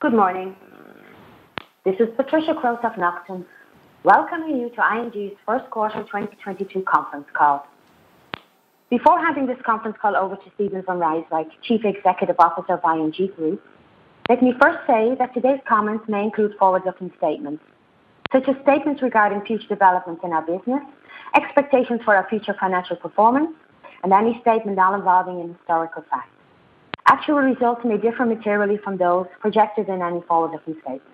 Good morning. This is Patricia Kruiswijk welcoming you to ING's first quarter 2022 conference call. Before handing this conference call over to Steven van Rijswijk, Chief Executive Officer of ING Group, let me first say that today's comments may include forward-looking statements, such as statements regarding future developments in our business, expectations for our future financial performance, and any statement not involving historical facts. Actual results may differ materially from those projected in any forward-looking statements.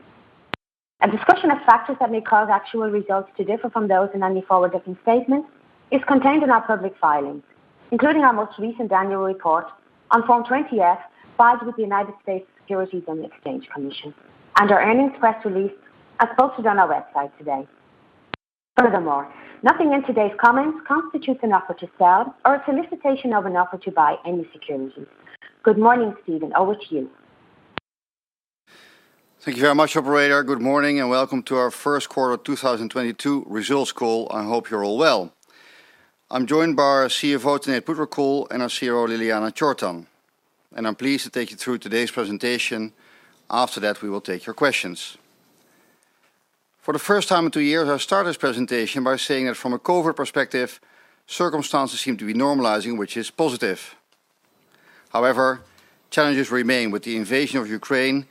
A discussion of factors that may cause actual results to differ from those in any forward-looking statement is contained in our public filings, including our most recent annual report on Form 20-F filed with the United States Securities and Exchange Commission, and our earnings press release, as posted on our website today. Furthermore, nothing in today's comments constitutes an offer to sell or a solicitation of an offer to buy any securities. Good morning, Steven. Over to you. Thank you very much, operator. Good morning and welcome to our first quarter 2022 results call. I hope you're all well. I'm joined by our CFO, Tanate Phutrakul, and our CRO, Ljiljana Čortan, and I'm pleased to take you through today's presentation. After that, we will take your questions. For the first time in two years, I start this presentation by saying that from a COVID perspective, circumstances seem to be normalizing, which is positive. However, challenges remain with the invasion of Ukraine,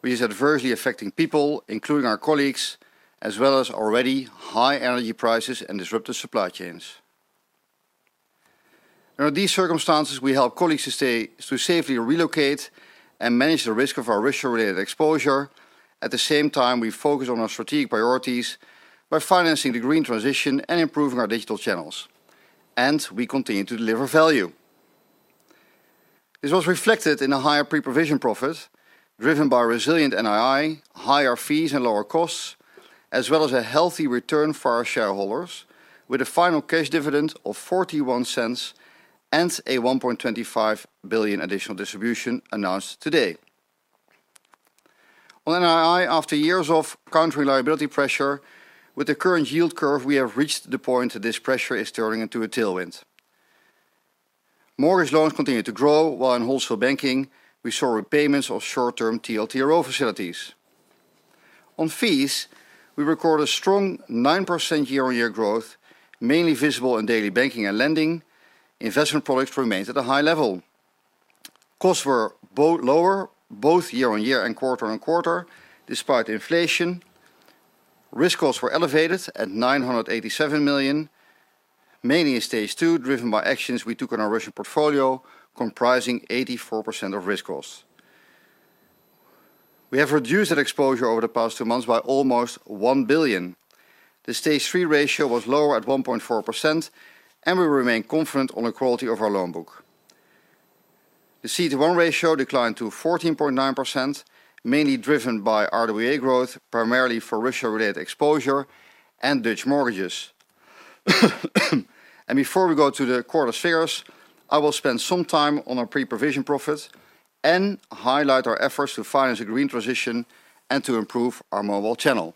which is adversely affecting people, including our colleagues, as well as already high energy prices and disrupted supply chains. Under these circumstances, we help colleagues to safely relocate and manage the risk of our Russia-related exposure. At the same time, we focus on our strategic priorities by financing the green transition and improving our digital channels, and we continue to deliver value. This was reflected in a higher pre-provision profit driven by resilient NII, higher fees and lower costs, as well as a healthy return for our shareholders with a final cash dividend of 0.41 and a 1.25 billion additional distribution announced today. On NII, after years of current reliability pressure, with the current yield curve, we have reached the point that this pressure is turning into a tailwind. Mortgage loans continue to grow, while in Wholesale Banking, we saw repayments of short-term TLTRO facilities. On fees, we record a strong 9% year-on-year growth, mainly visible in daily banking and lending. Investment products remains at a high level. Costs were lower both year-on-year and quarter-on-quarter, despite inflation. Risk costs were elevated at 987 million, mainly in stage two, driven by actions we took on our Russian portfolio, comprising 84% of risk costs. We have reduced that exposure over the past two months by almost 1 billion. The stage three ratio was lower at 1.4%, and we remain confident on the quality of our loan book. The CET1 ratio declined to 14.9%, mainly driven by RWA growth, primarily for Russia-related exposure and Dutch mortgages. Before we go to the quarter figures, I will spend some time on our pre-provision profit and highlight our efforts to finance the green transition and to improve our mobile channel.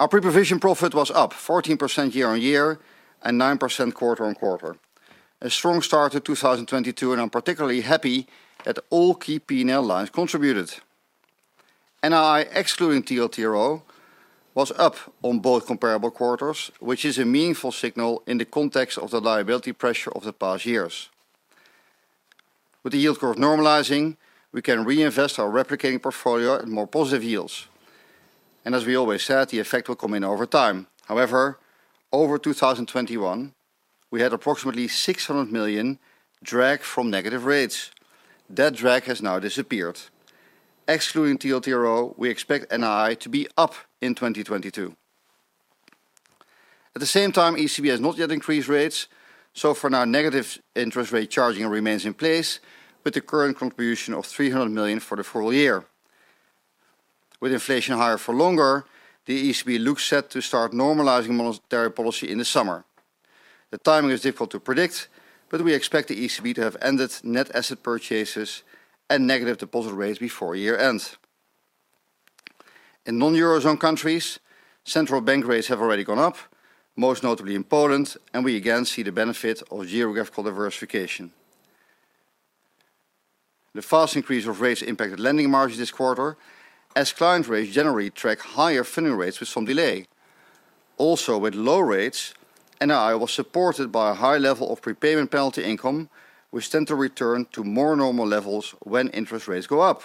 Our pre-provision profit was up 14% year-on-year and 9% quarter-on-quarter. A strong start to 2022, and I'm particularly happy that all key P&L lines contributed. NII, excluding TLTRO, was up on both comparable quarters, which is a meaningful signal in the context of the liability pressure of the past years. With the yield curve normalizing, we can reinvest our replicating portfolio in more positive yields. As we always said, the effect will come in over time. However, over 2021, we had approximately 600 million drag from negative rates. That drag has now disappeared. Excluding TLTRO, we expect NII to be up in 2022. At the same time, ECB has not yet increased rates, so for now, negative interest rate charging remains in place with the current contribution of 300 million for the full-year. With inflation higher for longer, the ECB looks set to start normalizing monetary policy in the summer. The timing is difficult to predict, but we expect the ECB to have ended net asset purchases and negative deposit rates before year-end. In non-Eurozone countries, central bank rates have already gone up, most notably in Poland, and we again see the benefit of geographical diversification. The fast increase of rates impacted lending margins this quarter, as client rates generally track higher funding rates with some delay. Also, with low rates, NII was supported by a high level of pre-payment penalty income, which tend to return to more normal levels when interest rates go up.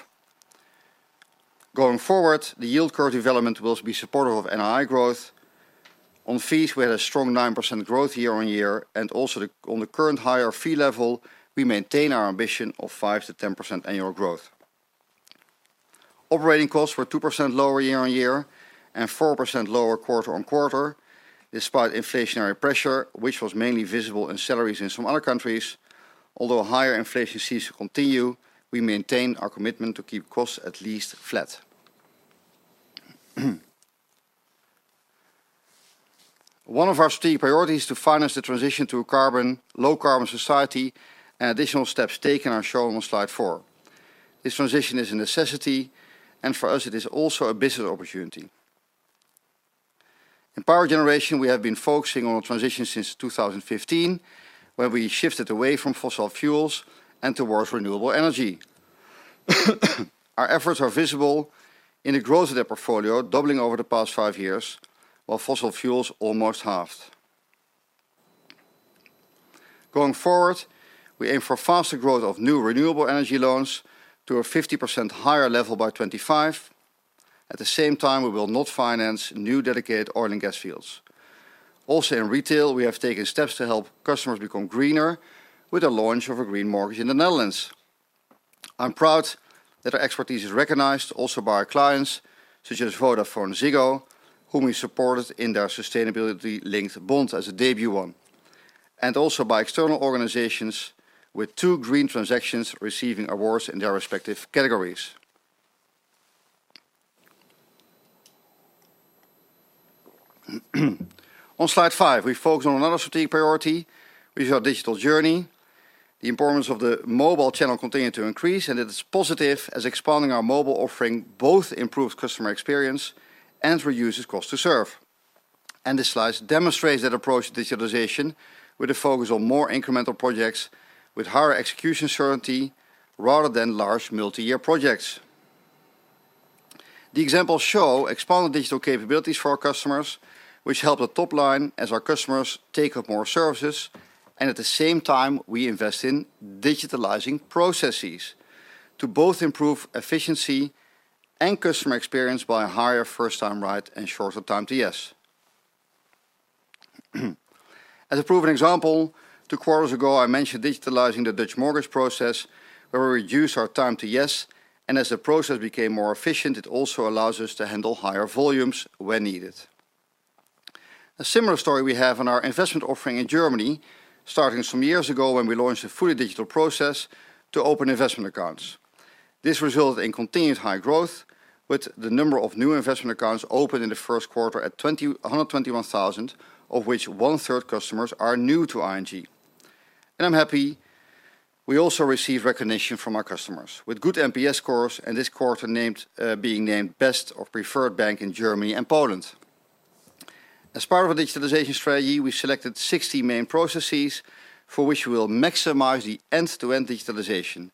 Going forward, the yield curve development will be supportive of NII growth. On fees, we had a strong 9% growth year-on-year, and also on the current higher fee level, we maintain our ambition of 5%-10% annual growth. Operating costs were 2% lower year-on-year and 4% lower quarter-on-quarter, despite inflationary pressure, which was mainly visible in salaries in some other countries. Although higher inflation is set to continue, we maintain our commitment to keep costs at least flat. One of our three priorities to finance the transition to a low-carbon society and additional steps taken are shown on slide four. This transition is a necessity, and for us it is also a business opportunity. In power generation, we have been focusing on a transition since 2015, where we shifted away from fossil fuels and towards renewable energy. Our efforts are visible in the growth of their portfolio, doubling over the past five years, while fossil fuels almost halved. Going forward, we aim for faster growth of new renewable energy loans to a 50% higher level by 2025. At the same time, we will not finance new dedicated oil and gas fields. Also in retail, we have taken steps to help customers become greener with the launch of a green mortgage in the Netherlands. I'm proud that our expertise is recognized also by our clients, such as VodafoneZiggo, whom we supported in their sustainability-linked bond as a debut one, and also by external organizations with two green transactions receiving awards in their respective categories. On slide five, we focus on another strategic priority, which is our digital journey. The importance of the mobile channel continued to increase, and it is positive as expanding our mobile offering both improves customer experience and reduces cost to serve. This slide demonstrates that approach to digitalization with a focus on more incremental projects with higher execution certainty rather than large multi-year projects. The examples show expanded digital capabilities for our customers, which help the top line as our customers take up more services, and at the same time, we invest in digitalizing processes to both improve efficiency and customer experience by a higher first time right and shorter time to yes. As a proven example, two quarters ago, I mentioned digitalizing the Dutch mortgage process, where we reduced our time to yes, and as the process became more efficient, it also allows us to handle higher volumes when needed. A similar story we have on our investment offering in Germany, starting some years ago when we launched a fully digital process to open investment accounts. This resulted in continued high growth, with the number of new investment accounts opened in the first quarter at 121,000, of which one-third customers are new to ING. I'm happy we also receive recognition from our customers with good NPS scores and this quarter being named best or preferred bank in Germany and Poland. As part of the digitalization strategy, we selected 60 main processes for which we will maximize the end-to-end digitalization,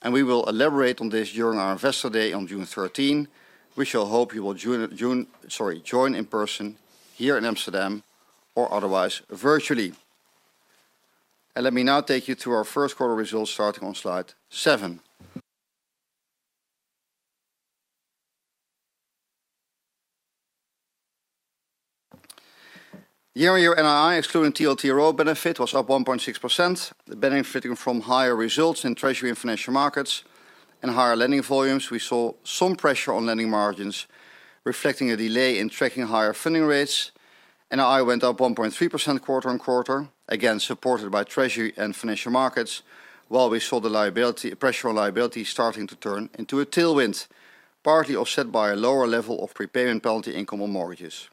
and we will elaborate on this during our investor day on June 13. We shall hope you will join in person here in Amsterdam or otherwise virtually. Let me now take you through our first quarter results, starting on slide seven. Year-on-year NII, excluding TLTRO benefit, was up 1.6%, benefiting from higher results in treasury and financial markets and higher lending volumes. We saw some pressure on lending margins reflecting a delay in tracking higher funding rates. NII went up 1.3% quarter-on-quarter, again supported by treasury and financial markets, while we saw the liability pressure on liability starting to turn into a tailwind, partly offset by a lower level of prepayment penalty income on mortgages.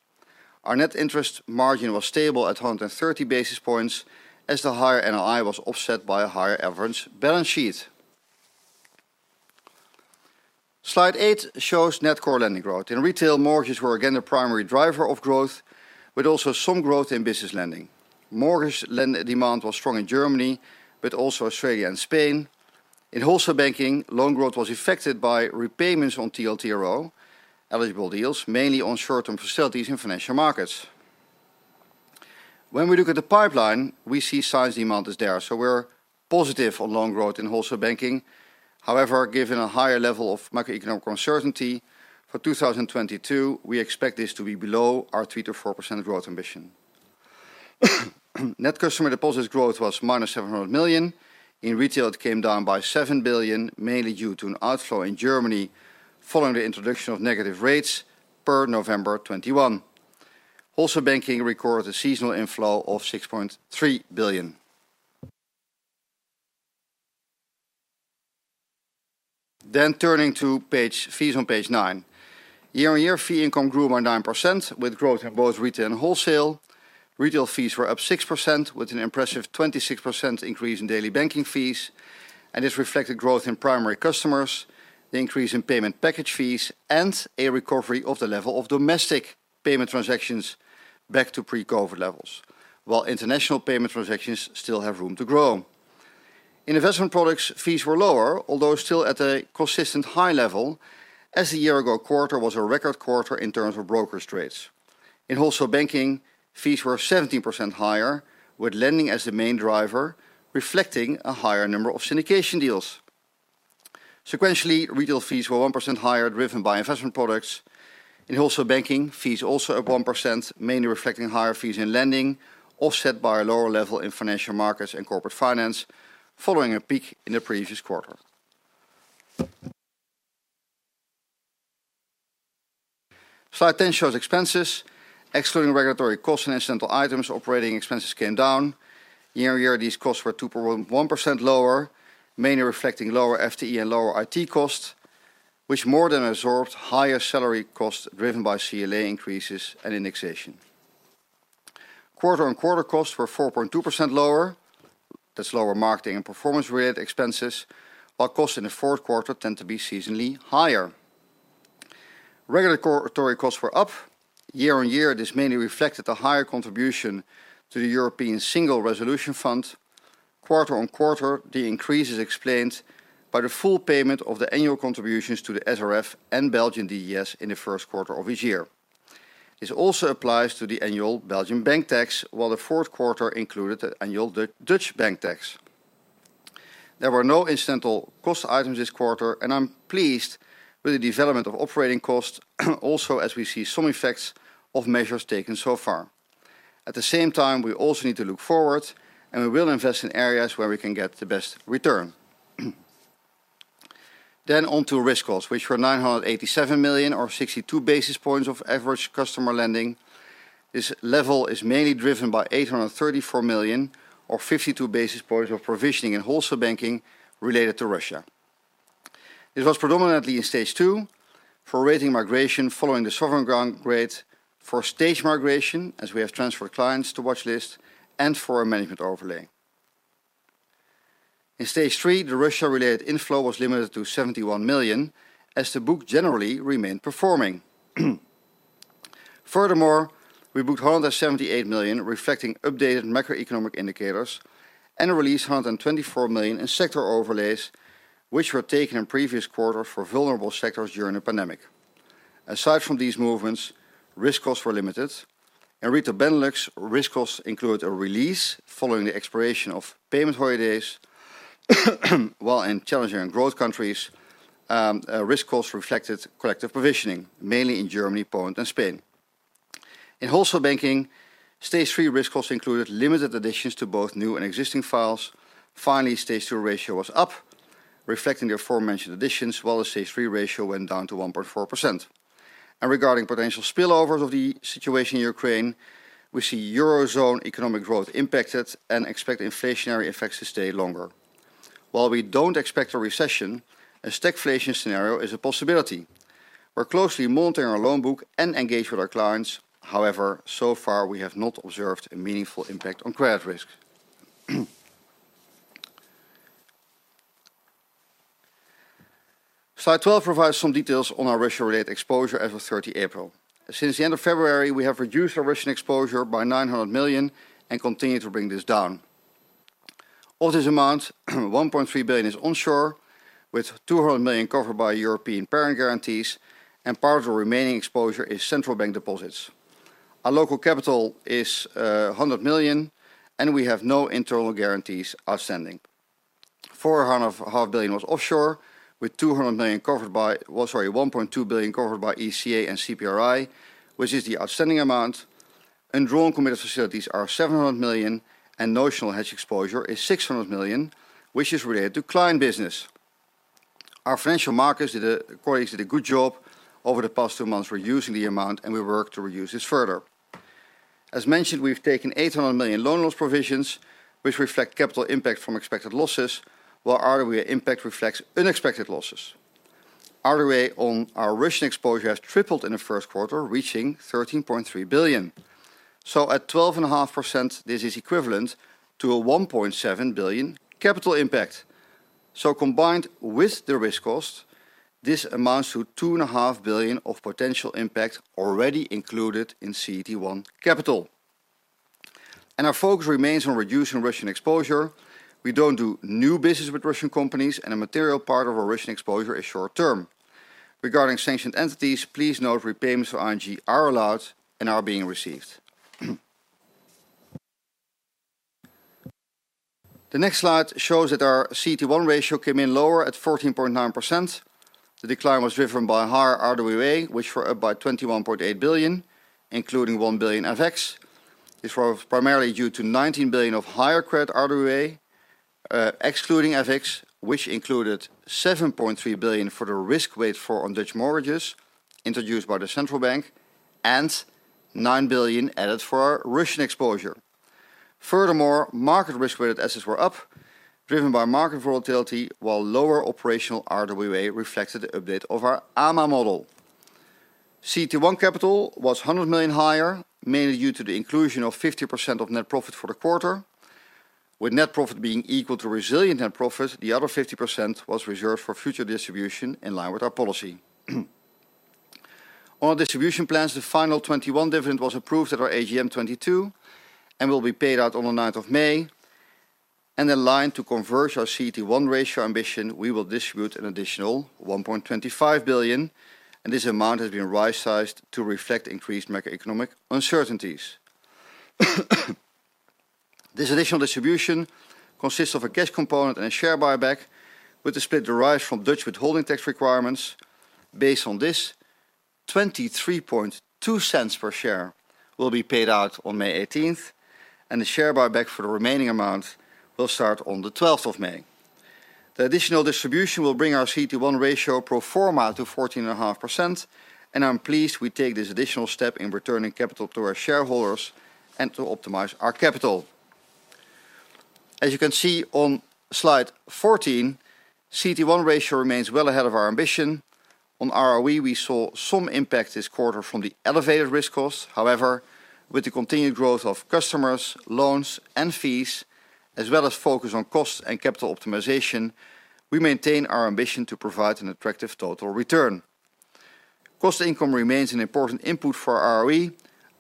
Our net interest margin was stable at 130 basis points as the higher NII was offset by a higher average balance sheet. Slide eight shows net core lending growth. In retail, mortgages were again the primary driver of growth, but also some growth in business lending. Mortgage lending demand was strong in Germany, but also Australia and Spain. In wholesale banking, loan growth was affected by repayments on TLTRO-eligible deals, mainly on short-term facilities in financial markets. When we look at the pipeline, we see sizable demand is there, so we're positive on loan growth in wholesale banking. However, given a higher level of macroeconomic uncertainty for 2022, we expect this to be below our 3%-4% growth ambition. Net customer deposits growth was -700 million. In Retail, it came down by 7 billion, mainly due to an outflow in Germany following the introduction of negative rates per November 2021. Wholesale Banking recorded a seasonal inflow of 6.3 billion. Turning to page fees on page nine. Year-on-year, fee income grew by 9%, with growth in both retail and wholesale. Retail fees were up 6%, with an impressive 26% increase in daily banking fees, and this reflected growth in primary customers, the increase in payment package fees, and a recovery of the level of domestic payment transactions back to pre-COVID levels, while international payment transactions still have room to grow. In investment products, fees were lower, although still at a consistent high level, as the year-ago quarter was a record quarter in terms of brokers' trades. In Wholesale Banking, fees were 17% higher, with lending as the main driver, reflecting a higher number of syndication deals. Sequentially, retail fees were 1% higher, driven by investment products. In Wholesale Banking, fees also up 1%, mainly reflecting higher fees in lending, offset by a lower level in financial markets and corporate finance, following a peak in the previous quarter. Slide 10 shows expenses. Excluding regulatory costs and incidental items, operating expenses came down. Year-on-year, these costs were 2.1% lower, mainly reflecting lower FTE and lower IT costs, which more than absorbed higher salary costs driven by CLA increases and indexation. Quarter-on-quarter, costs were 4.2% lower. That's lower marketing and performance-related expenses, while costs in the fourth quarter tend to be seasonally higher. Regulatory costs were up year-over-year. This mainly reflected the higher contribution to the European Single Resolution Fund. Quarter-over-quarter, the increase is explained by the full payment of the annual contributions to the SRF and Belgian DGS in the first quarter of each year. This also applies to the annual Belgian bank tax, while the fourth quarter included the annual Dutch bank tax. There were no incidental cost items this quarter, and I'm pleased with the development of operating costs also as we see some effects of measures taken so far. At the same time, we also need to look forward, and we will invest in areas where we can get the best return. On to risk costs, which were 987 million or 62 basis points of average customer lending. This level is mainly driven by 834 million or 52 basis points of provisioning in Wholesale Banking related to Russia. This was predominantly in stage two for rating migration following the sovereign downgrade for stage migration, as we have transferred clients to watch list and for our management overlay. In stage three, the Russia-related inflow was limited to 71 million, as the book generally remained performing. Furthermore, we booked 178 million, reflecting updated macroeconomic indicators, and released 124 million in sector overlays, which were taken in previous quarters for vulnerable sectors during the pandemic. Aside from these movements, risk costs were limited. In Retail Benelux, risk costs include a release following the expiration of payment holidays, while in challenging and growth countries, risk costs reflected collective provisioning, mainly in Germany, Poland, and Spain. In Wholesale Banking, stage three risk costs included limited additions to both new and existing files. Finally, stage two ratio was up, reflecting the aforementioned additions, while the stage three ratio went down to 1.4%. Regarding potential spillovers of the situation in Ukraine, we see Eurozone economic growth impacted and expect inflationary effects to stay longer. While we don't expect a recession, a stagflation scenario is a possibility. We're closely monitoring our loan book and engaged with our clients. However, so far, we have not observed a meaningful impact on credit risks. Slide 12 provides some details on our Russia-related exposure as of 30 April. Since the end of February, we have reduced our Russian exposure by 900 million and continue to bring this down. Of this amount, 1.3 billion is onshore, with 200 million covered by European parent guarantees, and part of the remaining exposure is central bank deposits. Our local capital is 100 million, and we have no internal guarantees outstanding. 1.2 billion was offshore, covered by ECA and CPRI, which is the outstanding amount. Undrawn committed facilities are 700 million, and notional hedge exposure is 600 million, which is related to client business. Our financial markets colleagues did a good job over the past two months reducing the amount, and we work to reduce this further. As mentioned, we've taken 800 million loan loss provisions, which reflect capital impact from expected losses, while RWA impact reflects unexpected losses. RWA on our Russian exposure has tripled in the first quarter, reaching 13.3 billion. At 12.5%, this is equivalent to a 1.7 billion capital impact. Combined with the risk cost, this amounts to 2.5 billion of potential impact already included in CET1 capital. Our focus remains on reducing Russian exposure. We don't do new business with Russian companies, and a material part of our Russian exposure is short term. Regarding sanctioned entities, please note repayments for ING are allowed and are being received. The next slide shows that our CET1 ratio came in lower at 14.9%. The decline was driven by higher RWA, which were up by 21.8 billion, including 1 billion FX. This was primarily due to 19 billion of higher credit RWA, excluding FX, which included 7.3 billion for the risk weight for on Dutch mortgages introduced by the central bank and 9 billion added for our Russian exposure. Furthermore, market risk-weighted assets were up, driven by market volatility, while lower operational RWA reflected the update of our AMA model. CET1 capital was 100 million higher, mainly due to the inclusion of 50% of net profit for the quarter. With net profit being equal to resilient net profit, the other 50% was reserved for future distribution in line with our policy. On our distribution plans, the final 2021 dividend was approved at our AGM 2022 and will be paid out on the ninth of May. In line to converge our CET1 ratio ambition, we will distribute an additional 1.25 billion, and this amount has been rightsized to reflect increased macroeconomic uncertainties. This additional distribution consists of a cash component and a share buyback, with the split derived from Dutch withholding tax requirements. Based on this, 0.232 per share will be paid out on May 18, and the share buy-back for the remaining amount will start on May 12. The additional distribution will bring our CET1 ratio pro forma to 14.5%, and I'm pleased we take this additional step in returning capital to our shareholders and to optimize our capital. As you can see on slide 14, CET1 ratio remains well ahead of our ambition. On ROE, we saw some impact this quarter from the elevated risk costs. However, with the continued growth of customers, loans, and fees, as well as focus on costs and capital optimization, we maintain our ambition to provide an attractive total return. Cost income remains an important input for our ROE,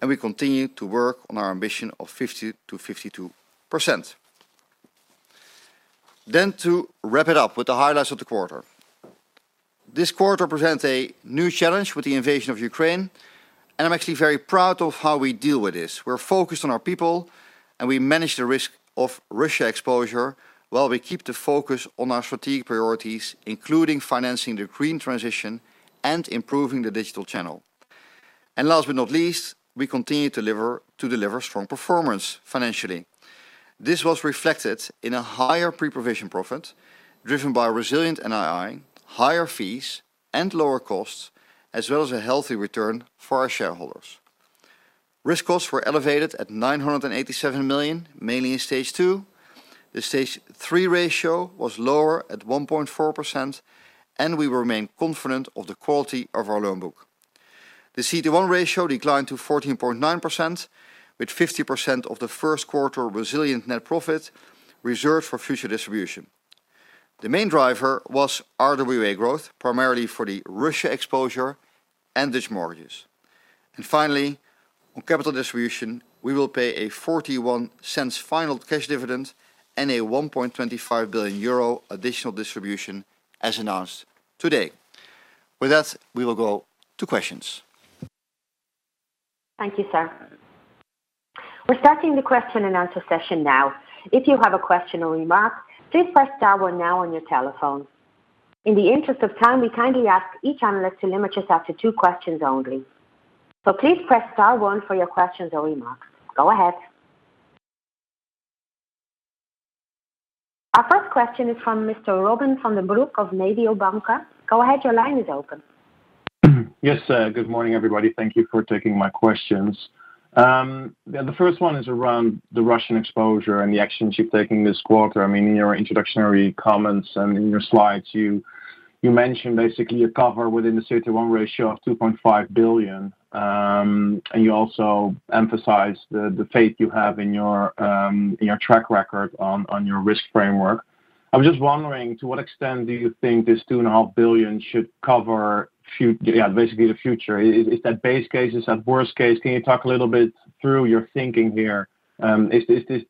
and we continue to work on our ambition of 50%-52%. To wrap it up with the highlights of the quarter. This quarter presents a new challenge with the invasion of Ukraine, and I'm actually very proud of how we deal with this. We're focused on our people, and we manage the risk of Russia exposure while we keep the focus on our strategic priorities, including financing the green transition and improving the digital channel. Last but not least, we continue to deliver strong performance financially. This was reflected in a higher pre-provision profit driven by resilient NII, higher fees, and lower costs, as well as a healthy return for our shareholders. Risk costs were elevated at 987 million, mainly in stage two. The stage three ratio was lower at 1.4%, and we remain confident of the quality of our loan book. The CET1 ratio declined to 14.9% with 50% of the first quarter resilient net profit reserved for future distribution. The main driver was RWA growth, primarily for the Russia exposure and Dutch mortgages. Finally, on capital distribution, we will pay a 0.41 final cash dividend and a 1.25 billion euro additional distribution as announced today. With that, we will go to questions. Thank you, sir. We're starting the question and answer session now. If you have a question or remark, please press star one now on your telephone. In the interest of time, we kindly ask each analyst to limit yourself to two questions only. Please press star one for your questions or remarks. Go ahead. Our first question is from Mr. Robin van den Broek of Mediobanca. Go ahead, your line is open. Yes, good morning, everybody. Thank you for taking my questions. Yeah, the first one is around the Russian exposure and the actions you're taking this quarter. I mean, in your introductory comments and in your slides, you mentioned basically a cover within the CET1 ratio of 2.5 billion. You also emphasized the faith you have in your track record on your risk framework. I'm just wondering, to what extent do you think this 2.5 billion should cover basically the future? Is that base case? Is that worst case? Can you talk a little bit through your thinking here? Is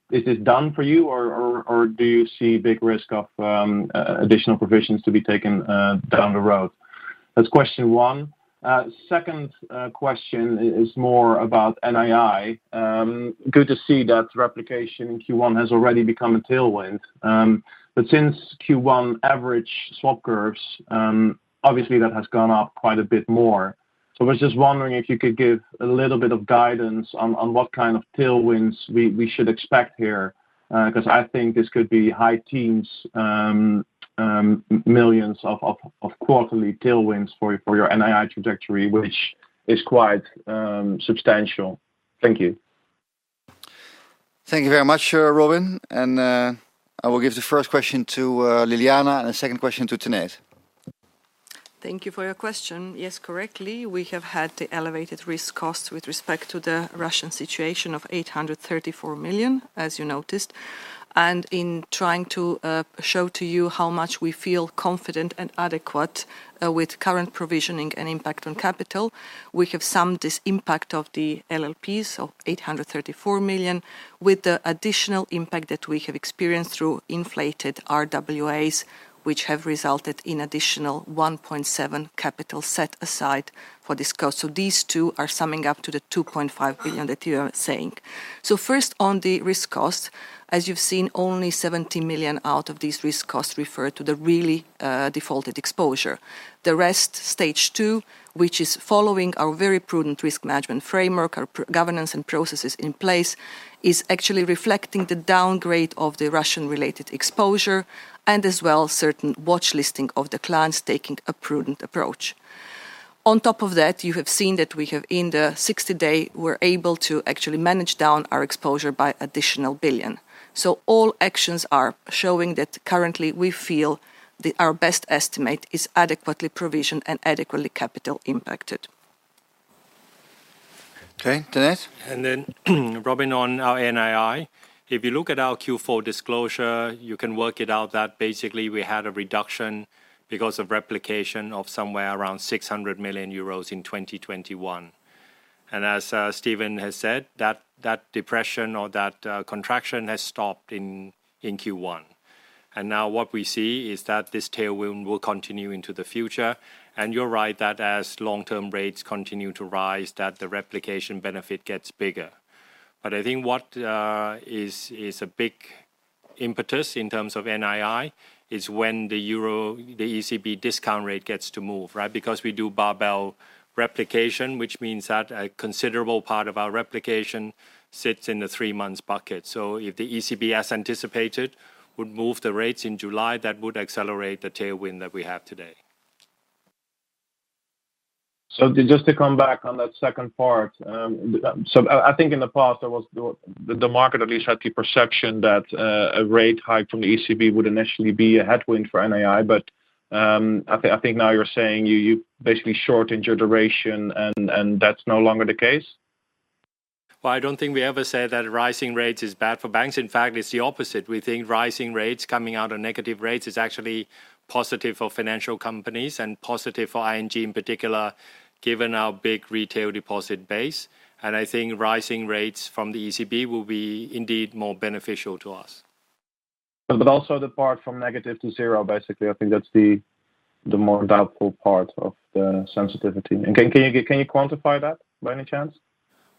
this done for you, or do you see big risk of additional provisions to be taken down the road? That's question one. Second question is more about NII. Good to see that repricing in first quarter has already become a tailwind. Since first quarter average swap curves obviously that has gone up quite a bit more. I was just wondering if you could give a little bit of guidance on what kind of tailwinds we should expect here. Cause I think this could be high-teens millions of quarterly tailwinds for your NII trajectory, which is quite substantial. Thank you. Thank you very much, Robin van den Broek. I will give the first question to Ljiljana Čortan and the second question to Tanate Phutrakul. Thank you for your question. Yes, correctly, we have had the elevated risk costs with respect to the Russian situation of 834 million, as you noticed. In trying to show to you how much we feel confident and adequate with current provisioning and impact on capital, we have summed this impact of the LLPs, so 834 million, with the additional impact that we have experienced through inflated RWAs, which have resulted in additional 1.7 billion capital set aside for this cost. These two are summing up to the 2.5 billion that you are saying. First, on the risk cost, as you've seen, only 70 million out of these risk costs refer to the really defaulted exposure. The rest, stage two, which is following our very prudent risk management framework, our governance and processes in place, is actually reflecting the downgrade of the Russian-related exposure and as well certain watch listing of the clients taking a prudent approach. On top of that, you have seen that we have in the 60 days, we're able to actually manage down our exposure by additional 1 billion. All actions are showing that currently we feel our best estimate is adequately provisioned and adequately capital impacted. Okay. Tanate? Robin, on our NII, if you look at our fourth quarter disclosure, you can work it out that basically we had a reduction because of replication of somewhere around 600 million euros in 2021. As Steven has said, that depression or that contraction has stopped in first quarter. Now what we see is that this tailwind will continue into the future. You're right that as long-term rates continue to rise, that the replication benefit gets bigger. I think what is a big impetus in terms of NII is when the euro, the ECB discount rate gets to move, right? Because we do barbell replication, which means that a considerable part of our replication sits in the three-months bucket. If the ECB, as anticipated, would move the rates in July, that would accelerate the tailwind that we have today. Just to come back on that second part, I think in the past there was the market at least had the perception that a rate hike from the ECB would initially be a headwind for NII. But I think now you're saying you basically shortened your duration and that's no longer the case? Well, I don't think we ever said that rising rates is bad for banks. In fact, it's the opposite. We think rising rates coming out of negative rates is actually positive for financial companies and positive for ING in particular, given our big retail deposit base. I think rising rates from the ECB will be indeed more beneficial to us. Also the part from negative to zero, basically. I think that's the more doubtful part of the sensitivity. Can you quantify that by any chance?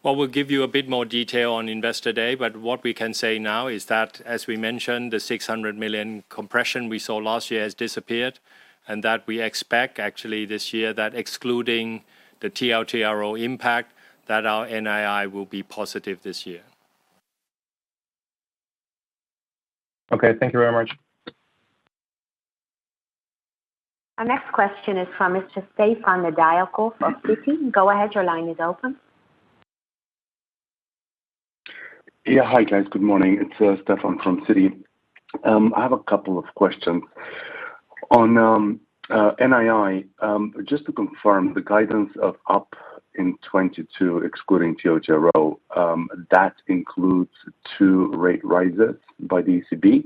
Well, we'll give you a bit more detail on Investor Day, but what we can say now is that, as we mentioned, the 600 million compression we saw last year has disappeared, and that we expect actually this year that excluding the TLTRO impact, that our NII will be positive this year. Okay. Thank you very much. Our next question is from Mr. Stefan Nedialkov from Citi. Go ahead, your line is open. Yeah. Hi, guys. Good morning. It's Stefan from Citi. I have a couple of questions. On NII, just to confirm the guidance of up in 2022, excluding TLTRO, that includes two rate rises by the ECB?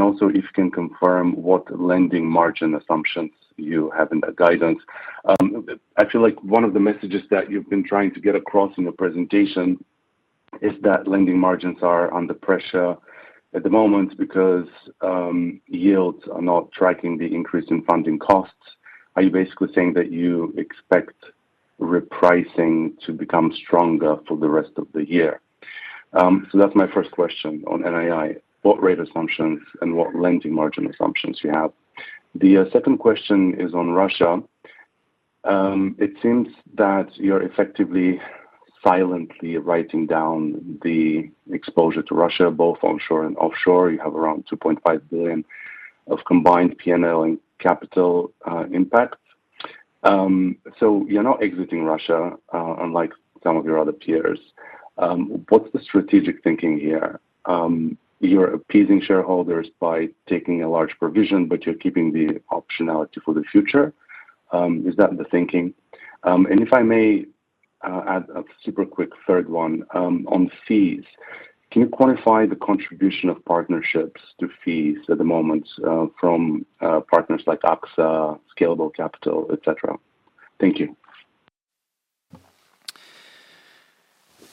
Also if you can confirm what lending margin assumptions you have in that guidance. I feel like one of the messages that you've been trying to get across in your presentation is that lending margins are under pressure at the moment because yields are not tracking the increase in funding costs. Are you basically saying that you expect re-pricing to become stronger for the rest of the year? That's my first question on NII, what rate assumptions and what lending margin assumptions you have. The second question is on Russia. It seems that you're effectively silently writing down the exposure to Russia, both onshore and offshore. You have around 2.5 billion of combined P&L and capital impact. You're not exiting Russia, unlike some of your other peers. What's the strategic thinking here? You're appeasing shareholders by taking a large provision, but you're keeping the optionality for the future. Is that the thinking? If I may add a super quick third one, on fees. Can you quantify the contribution of partnerships to fees at the moment, from partners like AXA, Scalable Capital, et cetera? Thank you.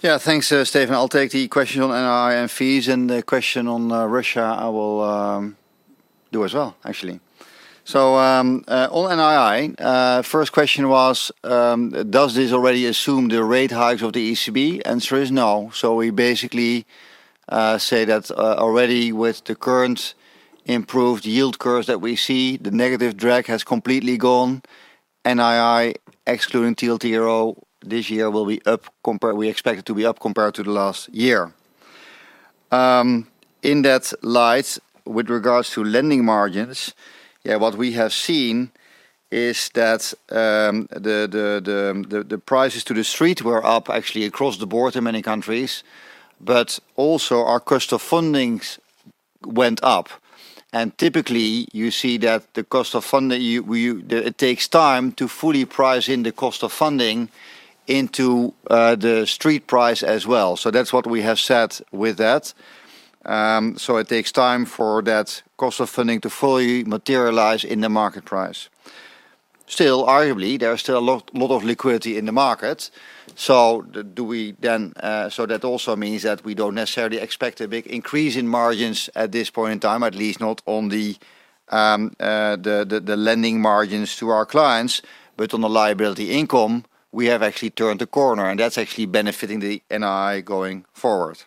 Yeah, thanks, Stefan. I'll take the question on NII and fees, and the question on Russia, I will do as well, actually. On NII, first question was, does this already assume the rate hikes of the ECB? Answer is no. We basically say that already with the current improved yield curves that we see, the negative drag has completely gone. NII, excluding TLTRO this year, will be up compared to the last year. We expect it to be up compared to the last year. In that light, with regards to lending margins, what we have seen is that the pricing to the street was up actually across the board in many countries, but also our cost of funding went up. Typically, you see that the cost of funding it takes time to fully price in the cost of funding into the street price as well. That's what we have said with that. It takes time for that cost of funding to fully materialize in the market price. Still, arguably, there is still a lot of liquidity in the market. That also means that we don't necessarily expect a big increase in margins at this point in time, at least not on the lending margins to our clients, but on the liability income, we have actually turned the corner, and that's actually benefiting the NII going forward.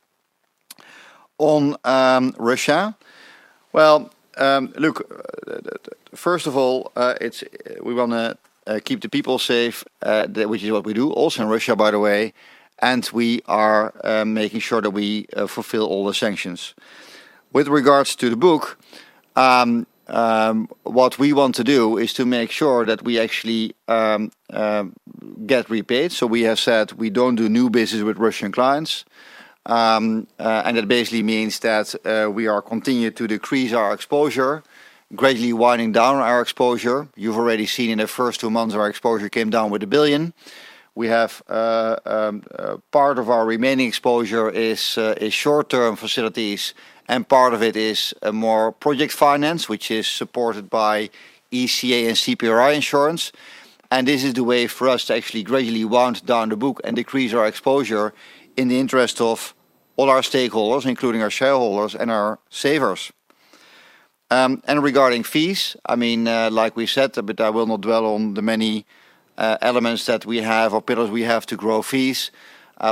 On Russia. Well, look, first of all, we wanna keep the people safe, which is what we do also in Russia, by the way, and we are making sure that we fulfill all the sanctions. With regards to the book, what we want to do is to make sure that we actually get re-paid. We have said we don't do new business with Russian clients. That basically means that we continue to decrease our exposure, gradually winding down our exposure. You've already seen in the first two months our exposure came down by 1 billion. We have part of our remaining exposure is short-term facilities, and part of it is more project finance, which is supported by ECA and CPRI insurance. This is the way for us to actually gradually wind down the book and decrease our exposure in the interest of all our stakeholders, including our shareholders and our savers. Regarding fees, I mean, like we said, but I will not dwell on the many elements that we have or pillars we have to grow fees.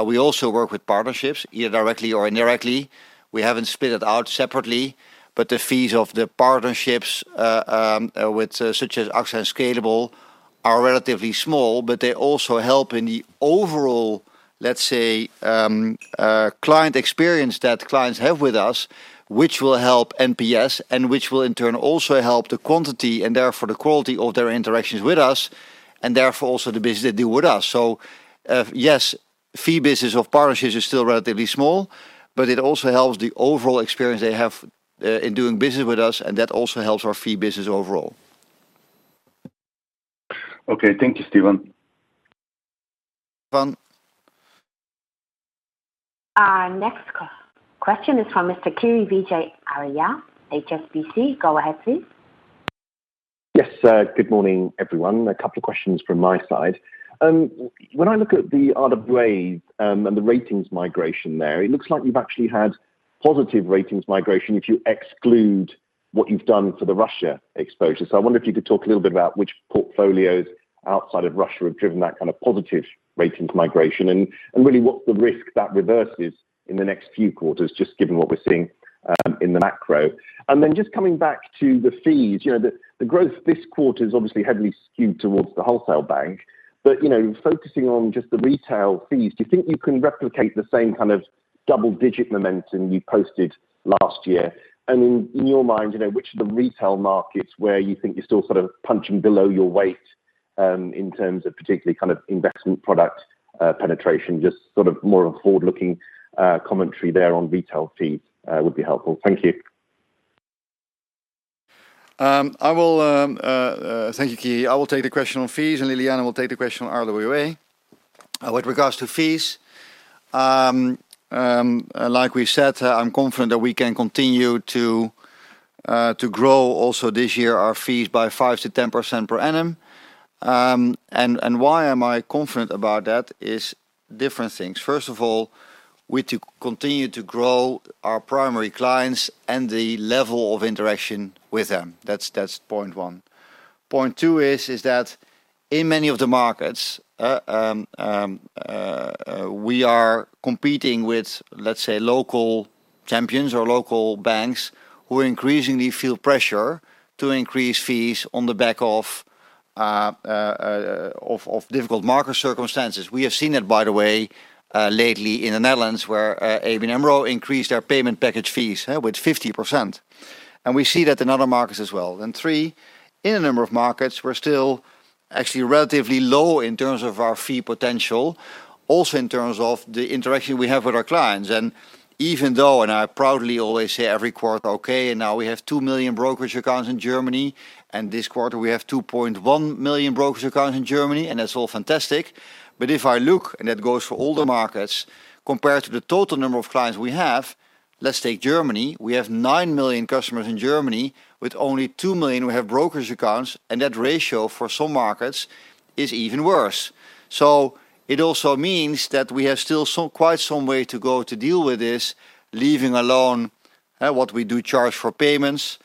We also work with partnerships, either directly or indirectly. We haven't split it out separately, but the fees of the partnerships with such as AXA and Scalable are relatively small, but they also help in the overall, let's say, client experience that clients have with us, which will help NPS and which will in turn also help the quantity and therefore the quality of their interactions with us, and therefore also the business they do with us. Yes, fee business of partnerships is still relatively small, but it also helps the overall experience they have in doing business with us, and that also helps our fee business overall. Okay. Thank you, Steven. Our next question is from Mr. Kirishanthan Vijayarajah, HSBC. Go ahead, please. Yes. Good morning, everyone. A couple of questions from my side. When I look at the RWA, and the ratings migration there, it looks like you've actually had positive ratings migration if you exclude what you've done for the Russia exposure. I wonder if you could talk a little bit about which portfolios outside of Russia have driven that kind of positive ratings migration and really what the risk that reverses in the next few quarters, just given what we're seeing in the macro. Just coming back to the fees, you know, the growth this quarter is obviously heavily skewed towards the wholesale bank. You know, focusing on just the retail fees, do you think you can replicate the same kind of double-digit momentum you posted last year? In your mind, you know, which of the retail markets where you think you're still sort of punching below your weight, in terms of particularly kind of investment product penetration, just sort of more of a forward-looking commentary there on retail fees, would be helpful. Thank you. I will thank you, Kiri. I will take the question on fees, and Ljiljana will take the question on RWA. With regards to fees, like we said, I'm confident that we can continue to grow also this year our fees by 5%-10% per annum. Why am I confident about that is different things. First of all, we to continue to grow our primary clients and the level of interaction with them. That's point one. Point two is that in many of the markets, we are competing with, let's say, local champions or local banks who are increasingly feel pressure to increase fees on the back of of difficult market circumstances. We have seen that, by the way, lately in the Netherlands, where ABN AMRO increased their payment package fees with 50%, and we see that in other markets as well. Three, in a number of markets, we're still actually relatively low in terms of our fee potential, also in terms of the interaction we have with our clients. Even though, and I proudly always say every quarter, okay, and now we have 2 million brokerage accounts in Germany, and this quarter we have 2.1 million brokerage accounts in Germany, and that's all fantastic. If I look, and that goes for all the markets, compared to the total number of clients we have, let's take Germany. We have 9 million customers in Germany. With only 2 million who have brokerage accounts, and that ratio for some markets is even worse. It also means that we have still some, quite some way to go to deal with this, leaving alone, what we do charge for payments,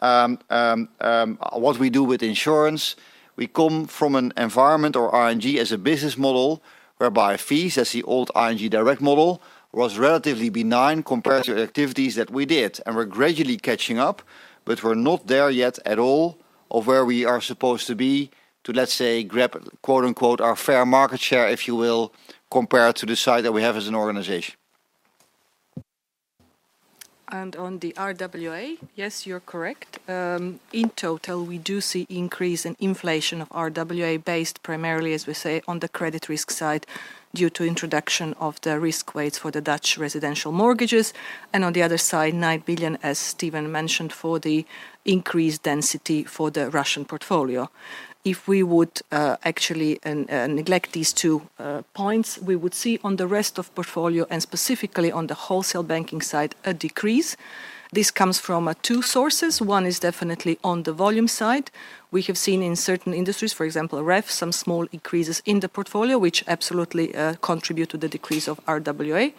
what we do with insurance. We come from an environment or ING as a business model whereby fees, as the old ING Direct model, was relatively benign compared to activities that we did, and we're gradually catching up, but we're not there yet at all of where we are supposed to be to, let's say, grab quote-unquote, our fair market share, if you will, compared to the size that we have as an organization. On the RWA, yes, you're correct. In total, we do see increase in inflation of RWA based primarily, as we say, on the credit risk side due to introduction of the risk weights for the Dutch residential mortgages. On the other side, 9 billion, as Steven mentioned, for the increased density for the Russian portfolio. If we would actually neglect these two points, we would see on the rest of portfolio, and specifically on the Wholesale Banking side, a decrease. This comes from two sources. One is definitely on the volume side. We have seen in certain industries, for example, REF, some small increases in the portfolio, which absolutely contribute to the decrease of RWA.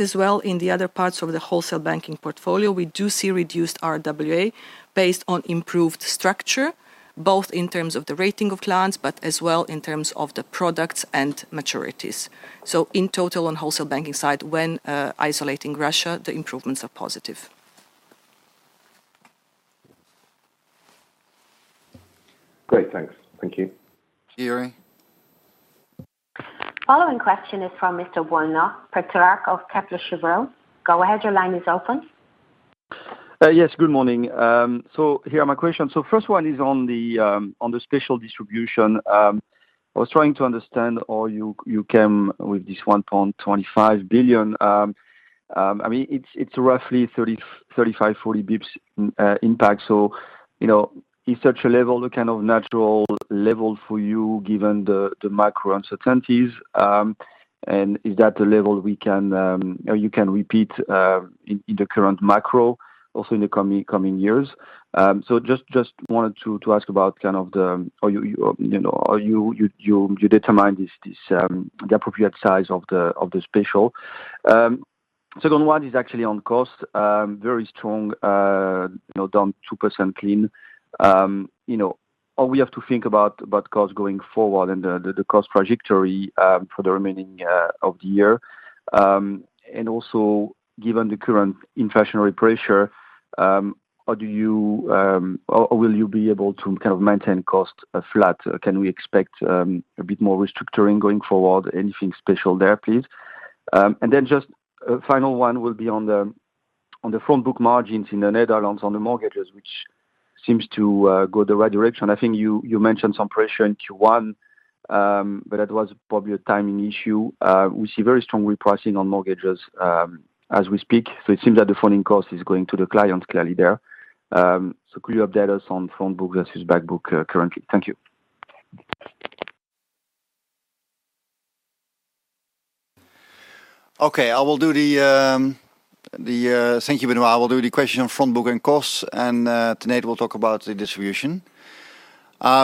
As well, in the other parts of the Wholesale Banking portfolio, we do see reduced RWA based on improved structure, both in terms of the rating of clients, but as well in terms of the products and maturities. In total, on Wholesale Banking side, when isolating Russia, the improvements are positive. Great. Thanks. Thank you. Kiri. Following question is from Mr. Benoît Pétrarque of Kepler Cheuvreux. Go ahead, your line is open. Yes, good morning. Here are my questions. First one is on the special distribution. I was trying to understand how you came with this 1.25 billion. I mean, it's roughly 30, 35, 40 basis points impact. You know, is such a level the kind of natural level for you given the macro uncertainties? And is that the level we can or you can repeat in the current macro, also in the coming years? Just wanted to ask about kind of how you know how you determine this the appropriate size of the special. Second one is actually on cost. Very strong, you know, down 2% clean. You know, all we have to think about cost going forward and the cost trajectory for the remaining of the year. Also given the current inflationary pressure, how do you or will you be able to kind of maintain cost flat? Can we expect a bit more re-structuring going forward? Anything special there, please? Then just a final one will be on the front book margins in the Netherlands on the mortgages, which seems to go the right direction. I think you mentioned some pressure in first quarter, but that was probably a timing issue. We see very strong repricing on mortgages as we speak. It seems that the funding cost is going to the client clearly there. Could you update us on front book versus back book currently? Thank you. Thank you very much. I will do the question on front book and costs, and Tanate will talk about the distribution.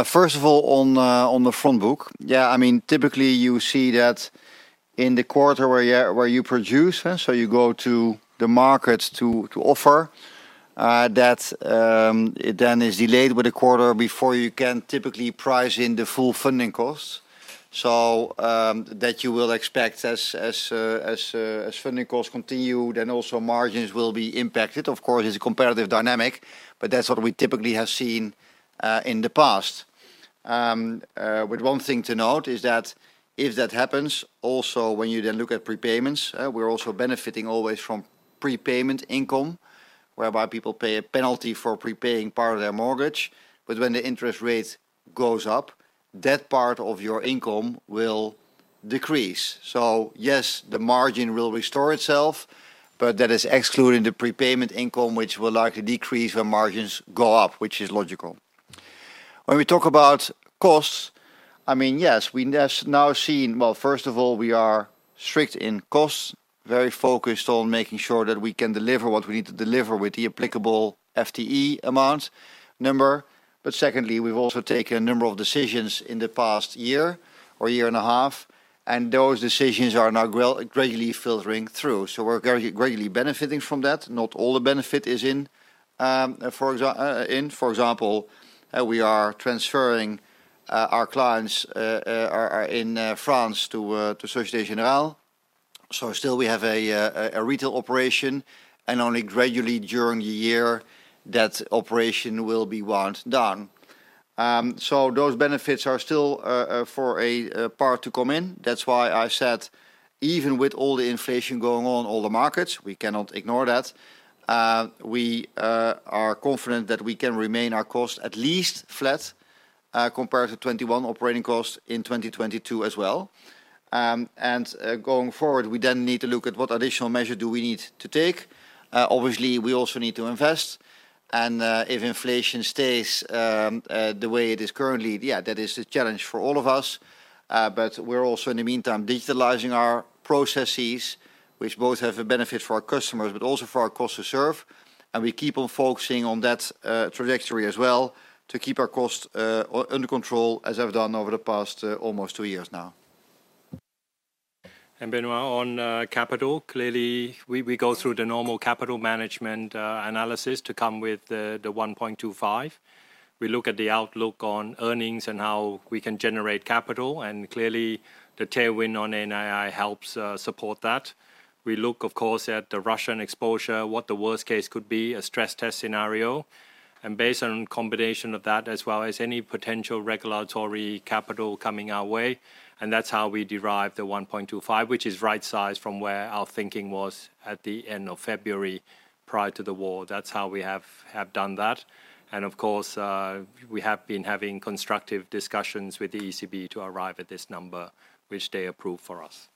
First of all, on the front book. Yeah, I mean, typically you see that in the quarter where you produce, and so you go to the markets to offer that, then is delayed with a quarter before you can typically price in the full funding costs. That you will expect as funding costs continue, then also margins will be impacted. Of course, it's a comparative dynamic, but that's what we typically have seen in the past. With one thing to note is that if that happens, also when you then look at prepayments, we're also benefiting always from prepayment income, where-by people pay a penalty for prepaying part of their mortgage. But when the interest rate goes up, that part of your income will decrease. Yes, the margin will restore itself, but that is excluding the prepayment income, which will likely decrease when margins go up, which is logical. When we talk about costs, I mean, yes, we now see. Well, first of all, we are strict in costs, very focused on making sure that we can deliver what we need to deliver with the applicable FTE amount number. Secondly, we've also taken a number of decisions in the past year-or-year and a half, and those decisions are now gradually filtering through. We're gradually benefiting from that. Not all the benefit is in. For example, we are transferring our clients, our ING in France to Société Générale. Still we have a retail operation, and only gradually during the year that operation will be wound down. Those benefits are still for a part to come in. That's why I said even with all the inflation going on, all the markets, we cannot ignore that. We are confident that we can keep our costs at least flat, compared to 2021 operating costs in 2022 as well. Going forward, we then need to look at what additional measures do we need to take. Obviously, we also need to invest. If inflation stays the way it is currently, yeah, that is a challenge for all of us. We're also in the meantime digitalizing our processes, which both have a benefit for our customers, but also for our cost to serve. We keep on focusing on that trajectory as well to keep our costs under control as I've done over the past almost two years now. Benoît, on capital, clearly we go through the normal capital management analysis to come up with the 1.25. We look at the outlook on earnings and how we can generate capital, and clearly the tailwind on NII helps support that. We look, of course, at the Russian exposure, what the worst case could be, a stress test scenario, and based on combination of that, as well as any potential regulatory capital coming our way, and that's how we derive the 1.25, which is right size from where our thinking was at the end of February prior to the war. That's how we have done that. We have been having constructive discussions with the ECB to arrive at this number, which they approved for us.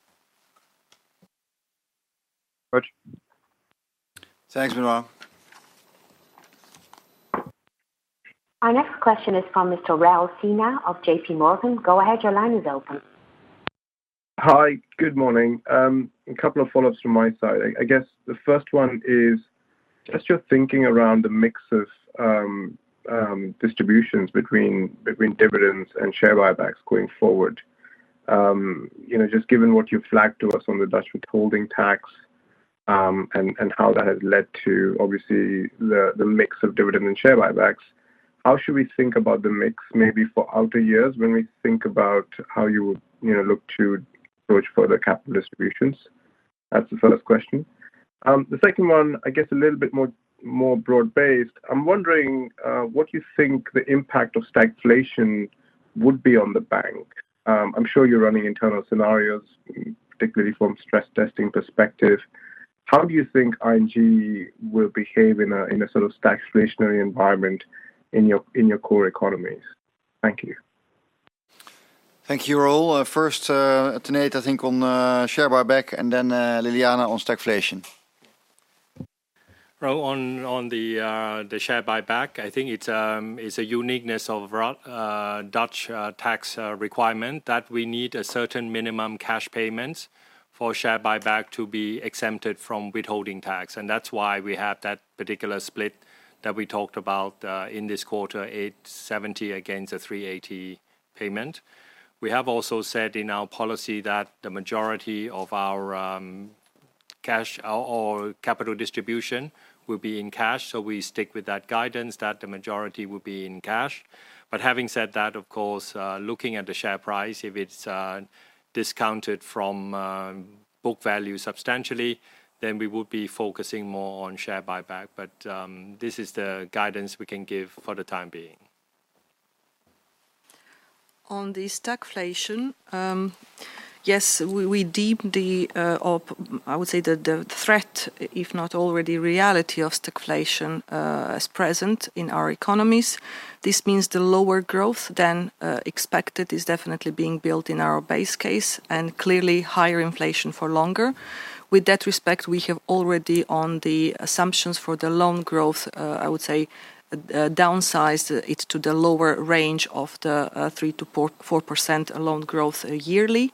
Roger. Thanks, Benoît. Our next question is from Mr. Raul Sinha of JPMorgan. Go ahead, your line is open. Hi. Good morning. A couple of follow-ups from my side. I guess the first one is just your thinking around the mix of distributions between dividends and share buybacks going forward. You know, just given what you flagged to us on the Dutch withholding tax, and how that has led to obviously the mix of dividend and share buybacks, how should we think about the mix maybe for outer years when we think about how you would, you know, look to approach further capital distributions? That's the first question. The second one, I guess a little bit more broad-based. I'm wondering what you think the impact of stagflation would be on the bank? I'm sure you're running internal scenarios, particularly from stress testing perspective. How do you think ING will behave in a sort of stagflationary environment in your core economies? Thank you. Thank you, Raul. First, Tanate, I think on share buyback and then, Ljiljana on stagflation. Raul, on the share buyback, I think it's a uniqueness of Dutch tax requirement that we need a certain minimum cash payments for share buyback to be exempted from withholding tax. That's why we have that particular split that we talked about in this quarter, 870 against the 380 payment. We have also said in our policy that the majority of our Cash or capital distribution will be in cash, so we stick with that guidance that the majority will be in cash. Having said that, of course, looking at the share price, if it's discounted from book value substantially, then we will be focusing more on share buyback. This is the guidance we can give for the time being. On the stagflation, yes, I would say the threat, if not already reality of stagflation, is present in our economies. This means the lower growth than expected is definitely being built in our base case, and clearly higher inflation for longer. In that respect, we have already on the assumptions for the loan growth, I would say, downsized it to the lower range of the 3%-4% loan growth yearly.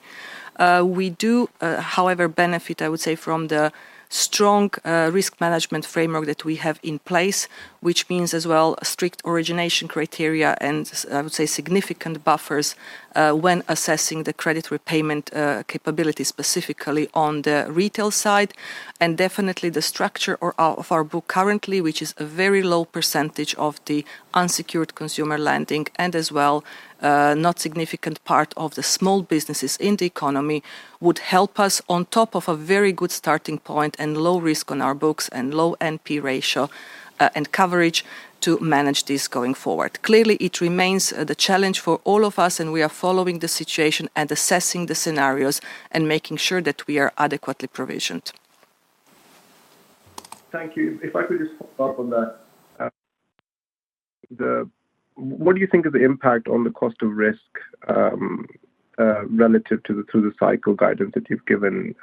We do, however, benefit, I would say, from the strong risk management framework that we have in place, which means as well a strict origination criteria and significant buffers when assessing the credit repayment capability specifically on the retail side. of our book currently, which is a very low percentage of the unsecured consumer lending and as well, not significant part of the small businesses in the economy, would help us on top of a very good starting point and low risk on our books and low NPL ratio, and coverage to manage this going forward. Clearly, it remains, the challenge for all of us, and we are following the situation and assessing the scenarios and making sure that we are adequately provisioned. Thank you. If I could just follow up on that. What do you think of the impact on the cost of risk, relative to the through-the-cycle guidance that you've given,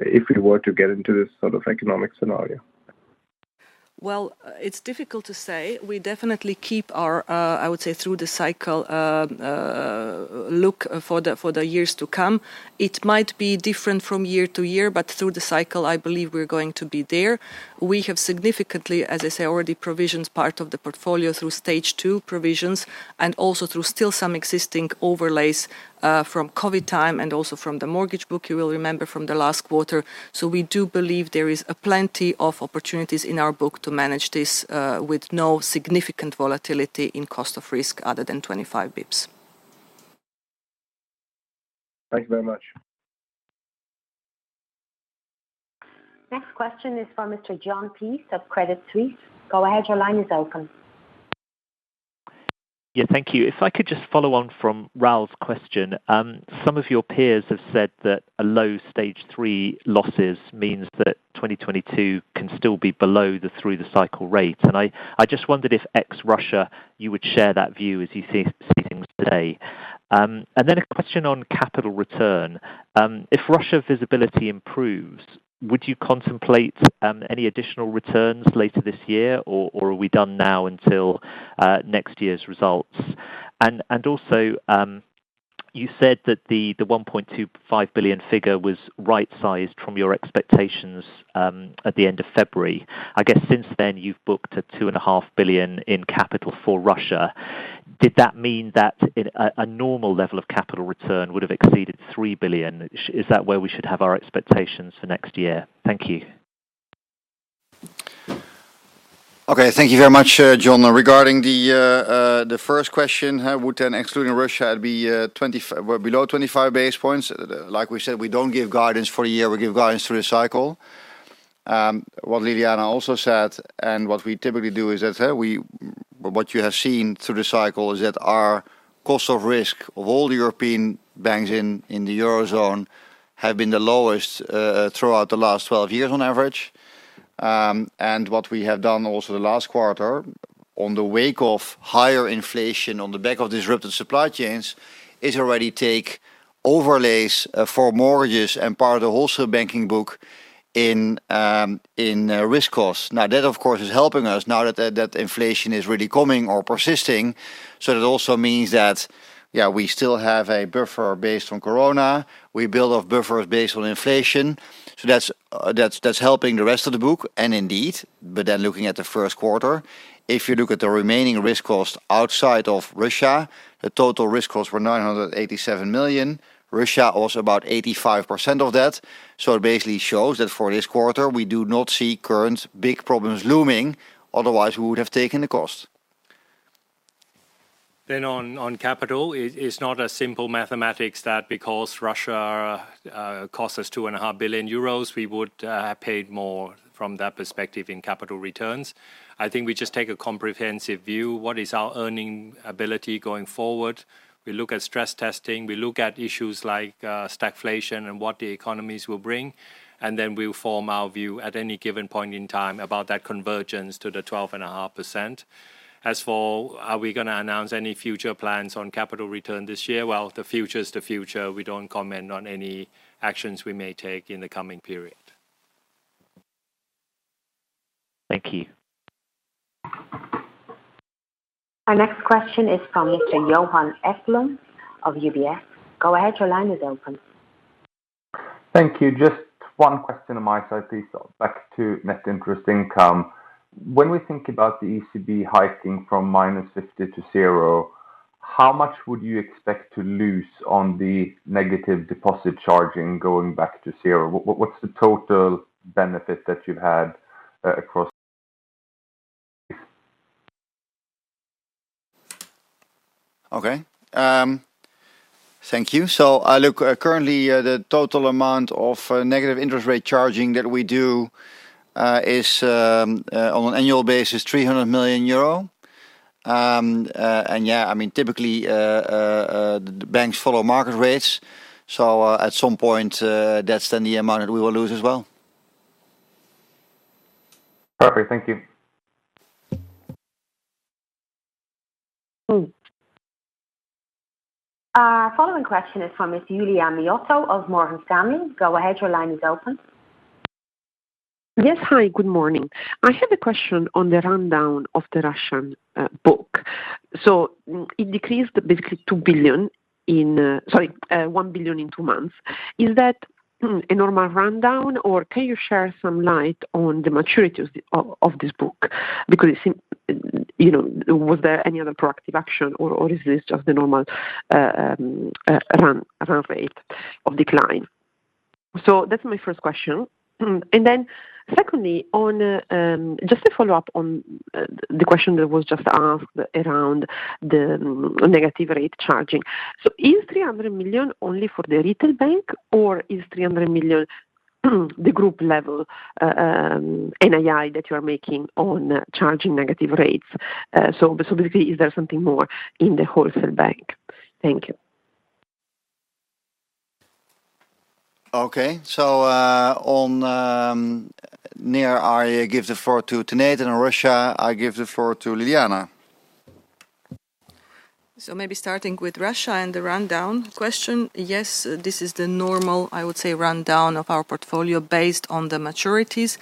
if it were to get into this sort of economic scenario? Well, it's difficult to say. We definitely keep our, I would say, through the cycle, look for the years to come. It might be different from year to year, but through the cycle, I believe we're going to be there. We have significantly, as I say, already provisions part of the portfolio through stage two provisions and also through still some existing overlays, from COVID time and also from the mortgage book you will remember from the last quarter. We do believe there is a plenty of opportunities in our book to manage this, with no significant volatility in cost of risk other than 25 basis points. Thank you very much. Next question is for Mr. Karl Peace of Crédit Suisse. Go ahead, your line is open. Yeah, thank you. If I could just follow on from Raul's question. Some of your peers have said that a low stage three losses means that 2022 can still be below the through the cycle rate. I just wondered if ex-Russia, you would share that view as you see things today. Then a question on capital return. If Russia visibility improves, would you contemplate any additional returns later this year, or are we done now until next year's results? Also, you said that the 1.25 billion figure was right-sized from your expectations at the end of February. I guess since then you've booked 2.5 billion in capital for Russia. Did that mean that at a normal level of capital return would have exceeded 3 billion? Is that where we should have our expectations for next year? Thank you. Okay. Thank you very much, Karl Peace. Regarding the first question, excluding Russia, would it be below 25 basis points. Like we said, we don't give guidance for a year, we give guidance through the cycle. What Ljiljana Čortan also said and what we typically do is that what you have seen through the cycle is that our cost of risk of all European banks in the Eurozone have been the lowest throughout the last 12 years on average. What we have done also the last quarter, in the wake of higher inflation on the back of disrupted supply chains, is already take overlays for mortgages and part of the Wholesale Banking book in risk costs. Now, that of course is helping us now that inflation is really coming or persisting. That also means that, yeah, we still have a buffer based on Corona. We build up buffers based on inflation. That's helping the rest of the book. Looking at the first quarter, if you look at the remaining risk cost outside of Russia, the total risk costs were 987 million. Russia was about 85% of that. It basically shows that for this quarter, we do not see current big problems looming, otherwise we would have taken the cost. On capital, it is not a simple mathematics that because Russia cost us 2.5 billion euros, we would have paid more from that perspective in capital returns. I think we just take a comprehensive view. What is our earning ability going forward? We look at stress testing, we look at issues like stagflation and what the economies will bring, and then we'll form our view at any given point in time about that convergence to the 12.5%. As for are we gonna announce any future plans on capital return this year, well, the future is the future. We don't comment on any actions we may take in the coming period. Thank you. Our next question is from Mr. Johan Ekblom of UBS. Go ahead, your line is open. Thank you. Just one question on my side, please. Back to net interest income. When we think about the ECB hiking from -50 to zero. How much would you expect to lose on the negative deposit charging going back to zero? What's the total benefit that you've had across? Okay. Thank you. Currently, the total amount of negative interest rate charging that we do is on an annual basis 300 million euro. Yeah, I mean, typically the banks follow market rates. At some point, that's then the amount that we will lose as well. Perfect. Thank you. Following question is from Miss Giulia Miotto of Morgan Stanley. Go ahead, your line is open. Yes. Hi, good morning. I have a question on the rundown of the Russian book. It decreased basically 1 billion in two months. Is that a normal rundown, or can you shed some light on the maturities of this book? Because it seems, you know, was there any other proactive action or is this just the normal run rate of decline? That's my first question. Then secondly, on just to follow up on the question that was just asked around the negative rate charging. Is 300 million only for the retail bank or is 300 million the group level NII that you are making on charging negative rates? Basically, is there something more in the wholesale bank? Thank you. Okay. On NII, I give the floor to Tanate Phutrakul. On Russia, I give the floor to Ljiljana Čortan. Maybe starting with Russia and the rundown question. Yes, this is the normal, I would say, rundown of our portfolio based on the maturities.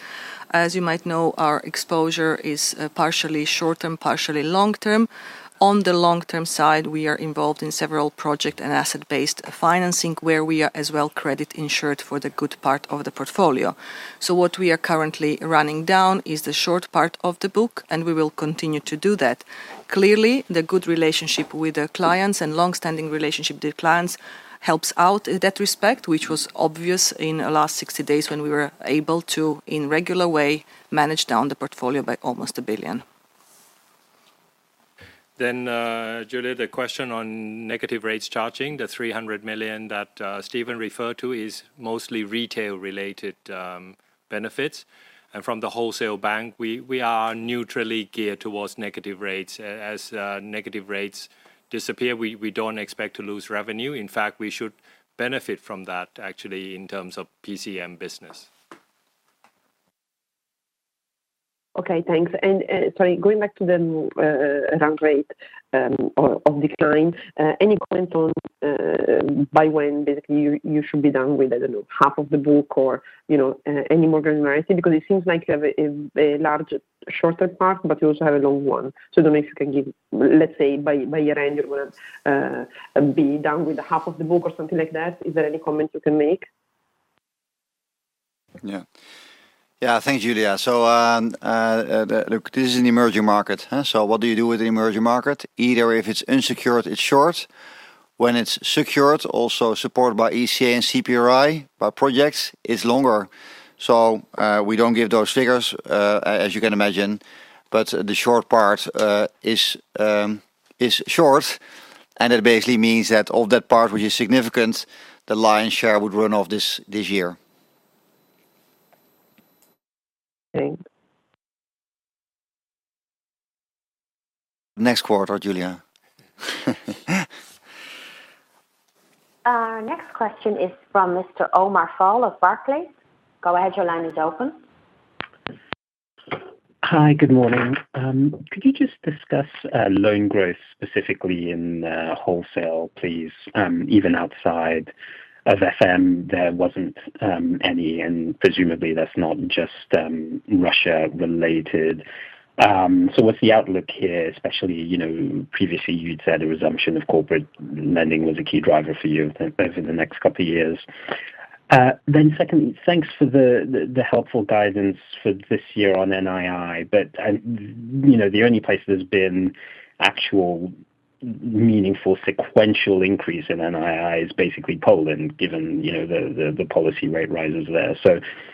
As you might know, our exposure is partially short-term, partially long-term. On the long-term side, we are involved in several project and asset-based financing where we are as well credit insured for the good part of the portfolio. What we are currently running down is the short part of the book, and we will continue to do that. Clearly, the good relationship with the clients and long-standing relationship with the clients helps out in that respect, which was obvious in the last 60 days when we were able to, in regular way, manage down the portfolio by almost 1 billion. Giulia, the question on negative rates charging. The 300 million that Steven referred to is mostly retail-related benefits. From the Wholesale Banking, we are neutrally geared towards negative rates. As negative rates disappear, we don't expect to lose revenue. In fact, we should benefit from that actually in terms of PCM business. Okay, thanks. Sorry, going back to the run rate of decline. Any comment on by when basically you should be done with, I don't know, half of the book or, you know, any more granularity? Because it seems like you have a large shorter part, but you also have a long one. That makes you can give, let's say, by year-end, you're gonna be done with the half of the book or something like that. Is there any comment you can make? Yeah. Thank you, Giulia. Look, this is an emerging market. What do you do with the emerging market? Either if it's unsecured, it's short. When it's secured, also supported by ECA and CPRI by projects, it's longer. We don't give those figures, as you can imagine. But the short part is short, and it basically means that of that part, which is significant, the lion's share would run off this year. Okay. Next quarter, Giulia. Our next question is from Mr. Omar Fall of Barclays. Go ahead, your line is open. Hi, good morning. Could you just discuss loan growth specifically in wholesale, please? Even outside of FM, there wasn't any, and presumably that's not just Russia related. What's the outlook here, especially, you know, previously you'd said a resumption of corporate lending was a key driver for you over the next couple of years. Then second, thanks for the helpful guidance for this year on NII. You know, the only place there's been actual meaningful sequential increase in NII is basically Poland, given you know, the policy rate rises there.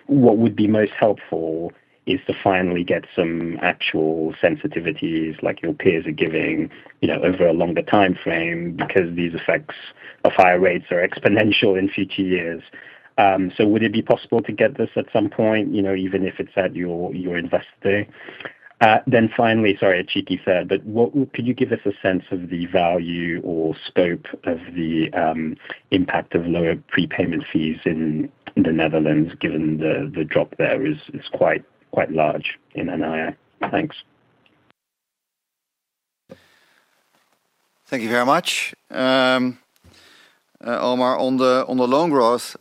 What would be most helpful is to finally get some actual sensitivities like your peers are giving, you know, over a longer timeframe, because these effects of higher rates are exponential in future years. Would it be possible to get this at some point, you know, even if it's at your investing? Finally, sorry, a cheeky third, but could you give us a sense of the value or scope of the impact of lower prepayment fees in the Netherlands, given the drop there is quite large in NII? Thanks. Thank you very much. Omar, on the loan growth,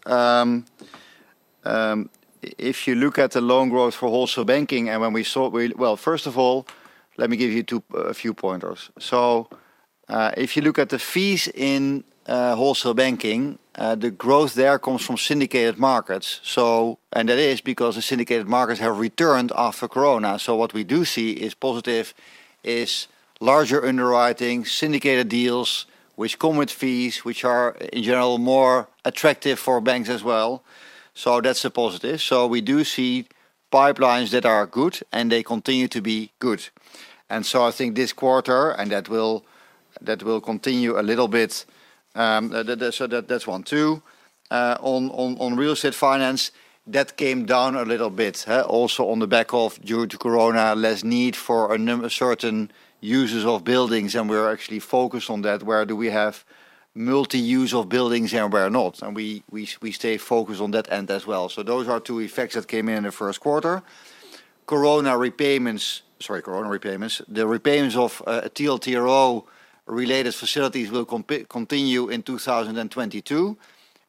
if you look at the loan growth for Wholesale Banking. Well, first of all, let me give you a few pointers. If you look at the fees in Wholesale Banking, the growth there comes from syndicated markets. That is because the syndicated markets have returned after Corona. What we do see is positive is larger underwriting, syndicated deals which come with fees, which are in general more attractive for banks as well. That's a positive. We do see pipelines that are good, and they continue to be good. I think this quarter, that will continue a little bit. That's one. Two, on real estate finance, that came down a little bit, huh? Also on the back of due to Corona, less need for certain uses of buildings, and we're actually focused on that. Where do we have multi-use of buildings and where not? We stay focused on that end as well. Those are two effects that came in in the first quarter. Corona repayments. Sorry, Corona repayments. The repayments of TLTRO related facilities will continue in 2022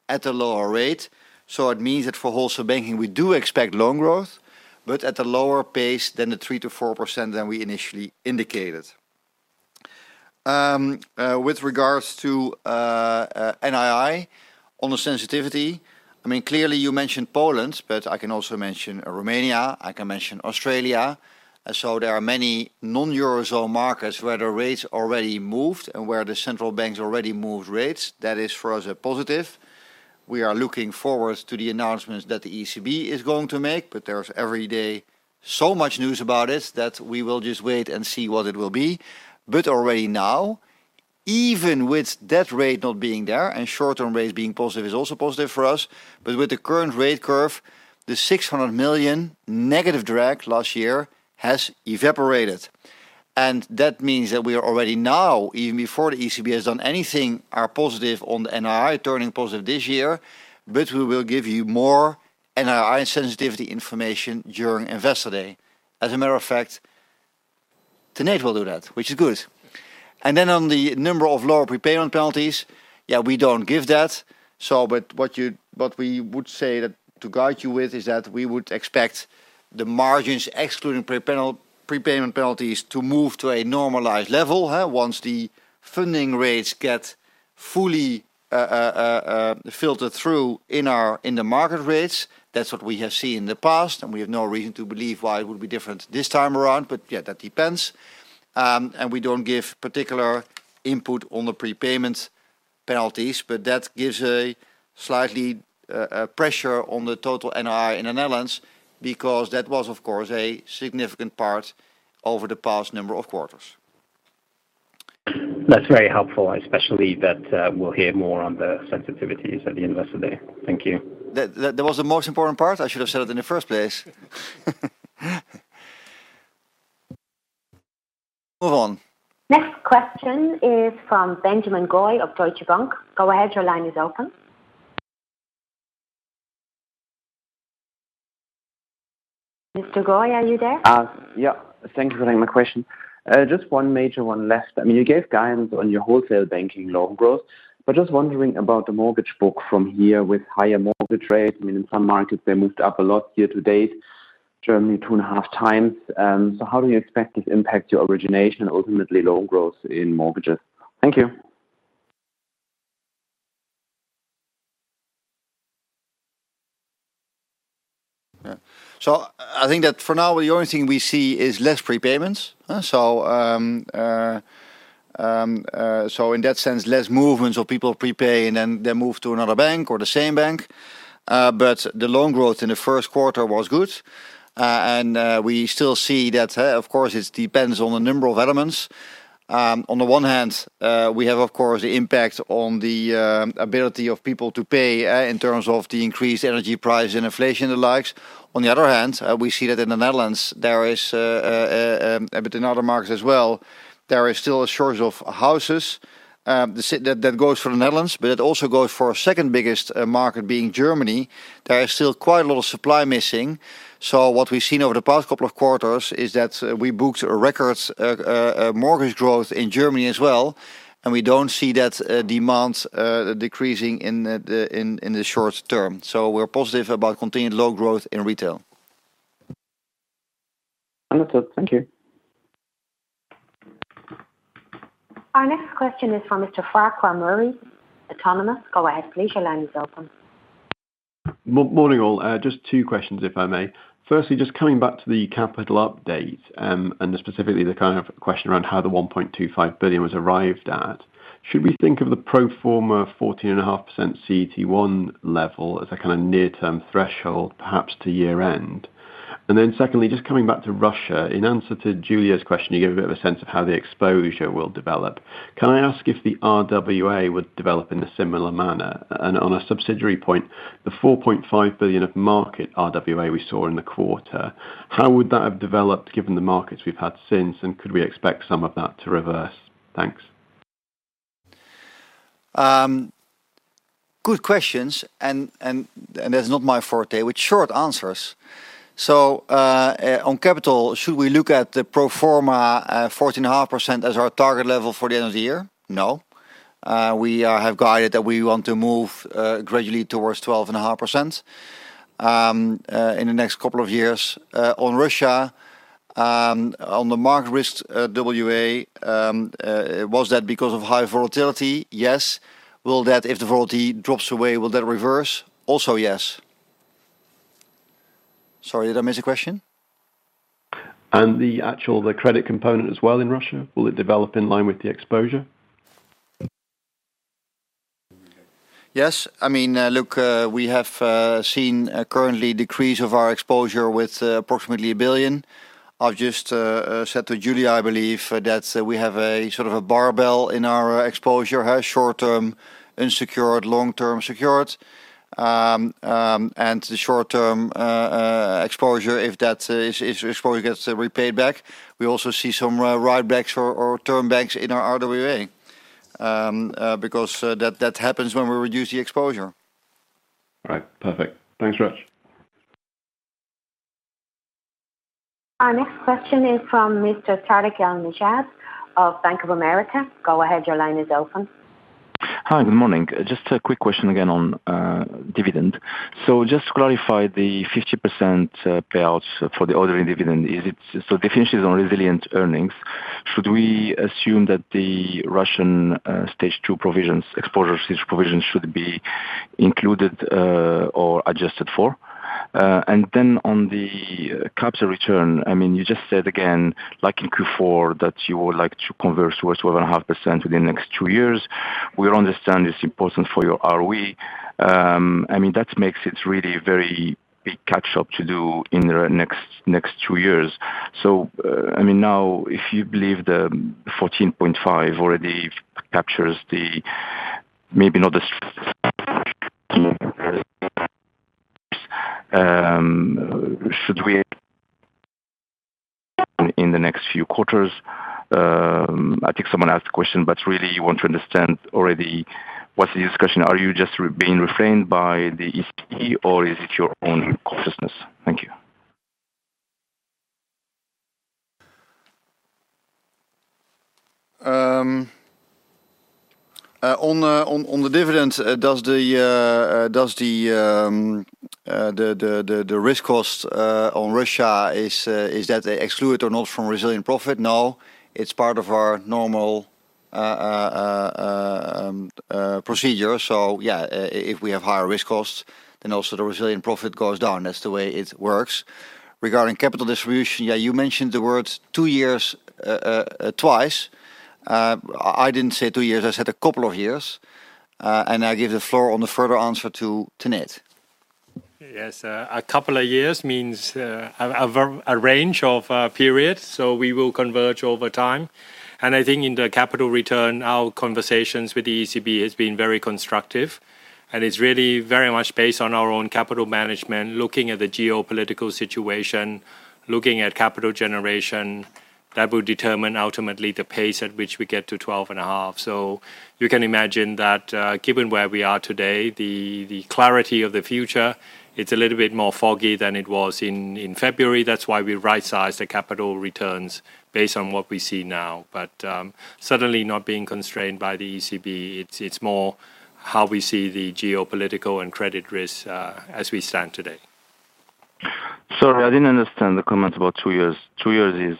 at a lower rate. It means that for Wholesale Banking we do expect loan growth, but at a lower pace than the 3%-4% than we initially indicated. With regards to NII on the sensitivity, I mean, clearly you mentioned Poland, but I can also mention Romania, I can mention Australia. There are many non-Eurozone markets where the rates already moved and where the central banks already moved rates. That is for us a positive. We are looking forward to the announcements that the ECB is going to make, but there's every day so much news about it that we will just wait and see what it will be. Already now, even with that rate not being there and short-term rates being positive is also positive for us. With the current rate curve, the 600 million negative drag last year has evaporated. That means that we are already now, even before the ECB has done anything, are positive on the NII turning positive this year. We will give you more NII sensitivity information during Investor Day. As a matter of fact, tonight we'll do that, which is good. On the number of lower prepayment penalties, yeah, we don't give that. What we would say that to guide you with is that we would expect the margins excluding prepayment penalties to move to a normalized level, once the funding rates get fully filtered through in the market rates. That's what we have seen in the past, and we have no reason to believe why it would be different this time around. Yeah, that depends. We don't give particular input on the prepayment penalties, but that gives a slight pressure on the total NII in the Netherlands because that was, of course, a significant part over the past number of quarters. That's very helpful, especially that we'll hear more on the sensitivities at the Investor Day. Thank you. That was the most important part. I should have said it in the first place. Move on. Next question is from Benjamin Goy of Deutsche Bank. Go ahead, your line is open. Mr. Goy, are you there? Thank you for taking my question. Just one major one left. I mean, you gave guidance on your Wholesale Banking loan growth, but just wondering about the mortgage book from here with higher mortgage rates. I mean, in some markets they moved up a lot year to date, Germany two and a half times. How do you expect this impact your origination and ultimately loan growth in mortgages? Thank you. Yeah. I think that for now, the only thing we see is less prepayments. In that sense, less movements of people prepaying and then they move to another bank or the same bank. The loan growth in the first quarter was good. We still see that, of course. It depends on the number of elements. On the one hand, we have, of course, the impact on the ability of people to pay in terms of the increased energy price and inflation, the likes. On the other hand, we see that in the Netherlands there is, but in other markets as well, there is still a shortage of houses. That goes for the Netherlands, but it also goes for our second biggest market being Germany. There is still quite a lot of supply missing. What we've seen over the past couple of quarters is that we booked record mortgage growth in Germany as well, and we don't see that demand decreasing in the short term. We're positive about continued loan growth in retail. Understood. Thank you. Our next question is from Mr. Farquhar Murray, Autonomous Research. Go ahead, please. Your line is open. Morning, all. Just two questions, if I may. Firstly, just coming back to the capital update, and specifically the kind of question around how the 1.25 billion was arrived at. Should we think of the pro forma 14.5% CET1 level as a kinda near-term threshold, perhaps to year-end? Secondly, just coming back to Russia, in answer to Giulia's question, you gave a bit of a sense of how the exposure will develop. Can I ask if the RWA would develop in a similar manner? On a subsidiary point, the 4.5 billion of market RWA we saw in the quarter, how would that have developed given the markets we've had since, and could we expect some of that to reverse? Thanks. Good questions and that's not my forte with short answers. On capital, should we look at the pro forma 14.5% as our target level for the end of the year? No. We have guided that we want to move gradually towards 12.5% in the next couple of years. On Russia, on the market risk RWA, was that because of high volatility? Yes. Will that, if the volatility drops away, will that reverse? Also, yes. Sorry, did I miss a question? The credit component as well in Russia, will it develop in line with the exposure? Yes. I mean, look, we have seen a current decrease of our exposure with approximately 1 billion. I've just said to Julie, I believe that we have a sort of a barbell in our exposure. Half short-term unsecured, long-term secured. The short-term exposure, if that exposure gets re-paid back, we also see some write-backs for our term loans in our RWA, because that happens when we reduce the exposure. All right. Perfect. Thanks very much. Our next question is from Mr. Tarik El Mejjad of Bank of America. Go ahead, your line is open. Hi, good morning. Just a quick question again on dividend. So just to clarify the 50% payouts for the ordinary dividend. So definition is on resilient earnings. Should we assume that the Russian stage two provisions, expected stage provisions should be included or adjusted for? And then on the capital return, I mean, you just said again, like in fourth quarter, that you would like to converge towards 12.5% within the next two years. We understand it's important for your ROE. I mean, that makes it really very big catch up to do in the next two years. I mean, now if you believe the 14.5 already captures the, maybe not the, should we in the next few quarters? I think someone asked the question, but really you want to understand already what's the discussion. Are you just being restrained by the ECB or is it your own cautiousness? Thank you. On the dividends, does the risk cost on Russia is that excluded or not from resilient profit? No. It's part of our normal procedure. Yeah, if we have higher risk costs, then also the resilient profit goes down. That's the way it works. Regarding capital distribution, yeah, you mentioned the words two years twice. I didn't say two years, I said a couple of years. I give the floor on the further answer to Net. Yes. A couple of years means a range of periods, so we will converge over time. I think in the capital return, our conversations with the ECB has been very constructive, and it's really very much based on our own capital management, looking at the geopolitical situation, looking at capital generation, that will determine ultimately the pace at which we get to 12.5. You can imagine that, given where we are today, the clarity of the future, it's a little bit more foggy than it was in February. That's why we right-sized the capital returns based on what we see now. Certainly not being constrained by the ECB. It's more how we see the geopolitical and credit risk, as we stand today. Sorry, I didn't understand the comment about two years. Two years is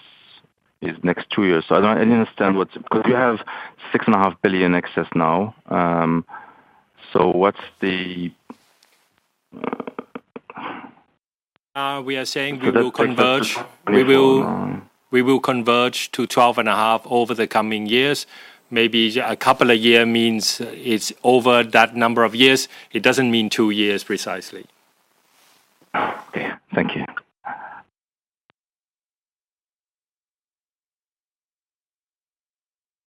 next two years. I didn't understand what because you have 6.5 billion excess now. We are saying we will converge. We will converge to 12.5 over the coming years. Maybe a couple of year means it's over that number of years. It doesn't mean two years precisely. Okay. Thank you.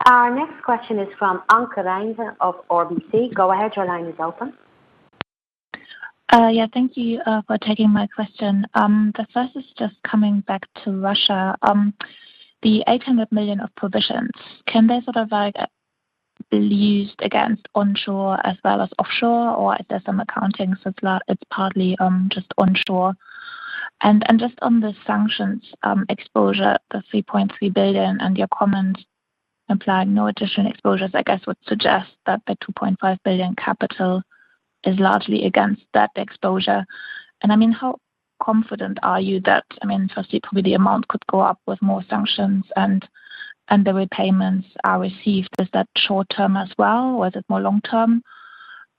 Our next question is from Anke Reingen of RBC. Go ahead, your line is open. Yeah, thank you for taking my question. The first is just coming back to Russia. The 800 million of provisions, can they sort of like be used against onshore as well as off-shore, or is there some accounting, so it's partly just on-shore? Just on the sanctions exposure, the 3.3 billion and your comments implying no additional exposures, I guess would suggest that the 2.5 billion capital is largely against that exposure. I mean, how confident are you that, I mean, firstly, probably the amount could go up with more sanctions and the repayments are received. Is that short-term as well, or is it more long-term?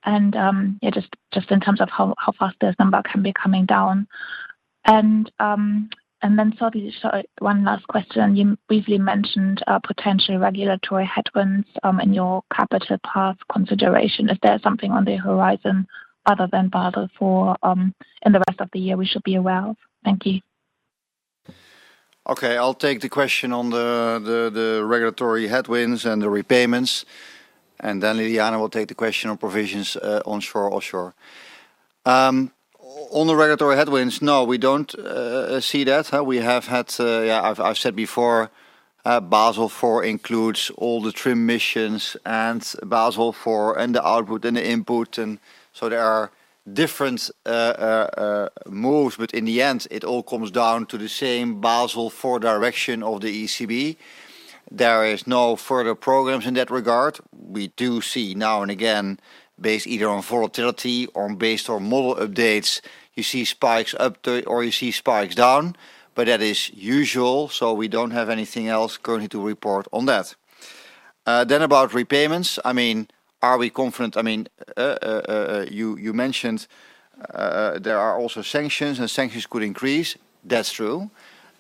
Yeah, just in terms of how fast this number can be coming down. And then sorry, one last question. You briefly mentioned potential regulatory headwinds in your capital path consideration. Is there something on the horizon other than Basel IV in the rest of the year we should be aware of? Thank you. Okay. I'll take the question on the regulatory headwinds and the repayments, and then Ljiljana will take the question on provisions, onshore, offshore. On the regulatory headwinds, no, we don't see that. We have had. I've said before. Basel IV includes all the TRIM missions and Basel IV and the output and the input, and so there are different moves, but in the end it all comes down to the same Basel IV direction of the ECB. There is no further programs in that regard. We do see now and again, based either on volatility or based on model updates, you see spikes up to or you see spikes down, but that is usual, so we don't have anything else currently to report on that. Then about repayments, I mean, are we confident? I mean, you mentioned there are also sanctions, and sanctions could increase. That's true.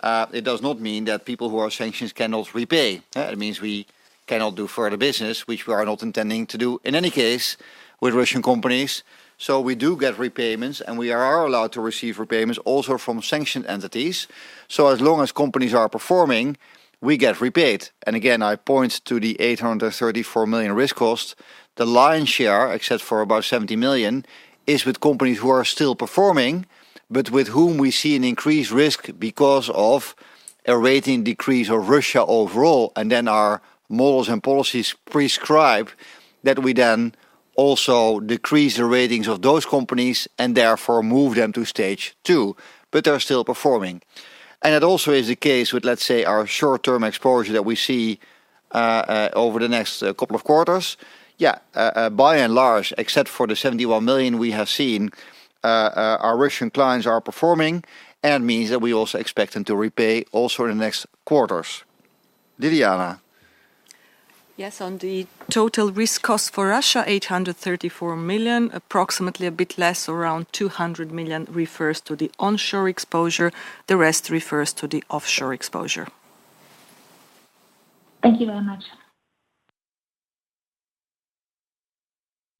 It does not mean that people who are sanctioned cannot repay. It means we cannot do further business, which we are not intending to do in any case with Russian companies. We do get repayments, and we are allowed to receive repayments also from sanctioned entities. As long as companies are performing, we get repaid. Again, I point to the 834 million risk cost. The lion's share, except for about 70 million, is with companies who are still performing, but with whom we see an increased risk because of a rating decrease of Russia overall. Then our models and policies prescribe that we then also decrease the ratings of those companies and therefore move them to stage two. They're still performing. It also is the case with, let's say, our short-term exposure that we see over the next couple of quarters. Yeah, by and large, except for the 71 million we have seen, our Russian clients are performing and means that we also expect them to repay also in the next quarters. Ljiljana Čortan. Yes, on the total risk cost for Russia, 834 million, approximately a bit less, around 200 million, refers to the on-shore exposure. The rest refers to the off-shore exposure. Thank you very much.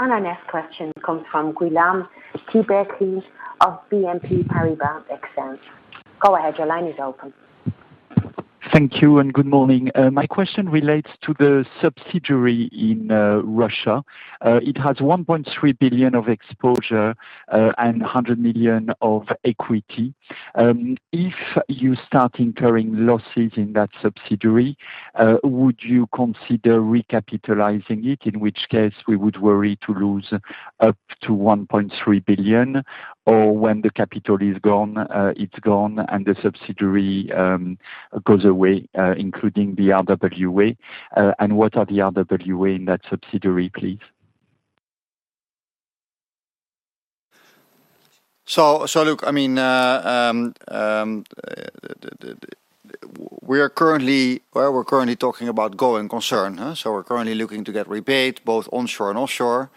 Our next question comes from Guillaume Tiberghien of BNP Paribas Exane. Go ahead, your line is open. Thank you and good morning. My question relates to the subsidiary in Russia. It has 1.3 billion of exposure and 100 million of equity. If you start incurring losses in that subsidiary, would you consider recapitalizing it, in which case we would worry to lose up to 1.3 billion? Or when the capital is gone, it's gone and the subsidiary goes away, including the RWA? And what are the RWA in that subsidiary, please? Look, I mean, we're currently talking about going concern, huh? We're currently looking to get repaid both onshore and offshore.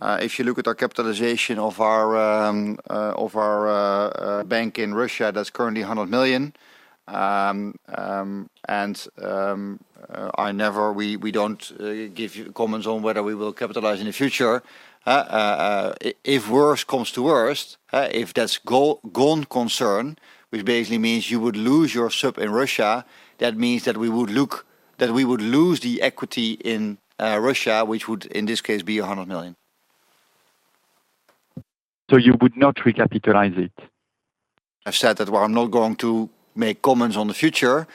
If you look at our capitalization of our bank in Russia, that's currently 100 million. We don't give you comments on whether we will capitalize in the future. If worse comes to worst, if that's going concern, which basically means you would lose your sub in Russia, that means that we would lose the equity in Russia, which would, in this case, be 100 million. You would not recapitalize it? I said that I'm not going to make comments on the future.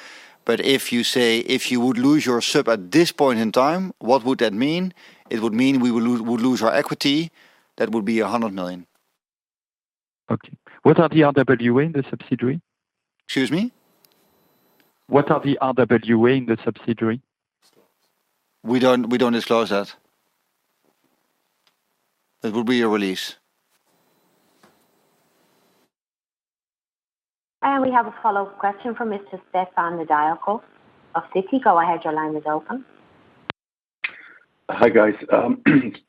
If you say, If you would lose your sub at this point in time, what would that mean? It would mean we'd lose our equity. That would be 100 million. Okay. What are the RWA in the subsidiary? Excuse me? What are the RWA in the subsidiary? We don't disclose that. It would be a release. We have a follow-up question from Mr. Stefan Nedialkov of Citi. Go ahead, your line is open. Hi, guys.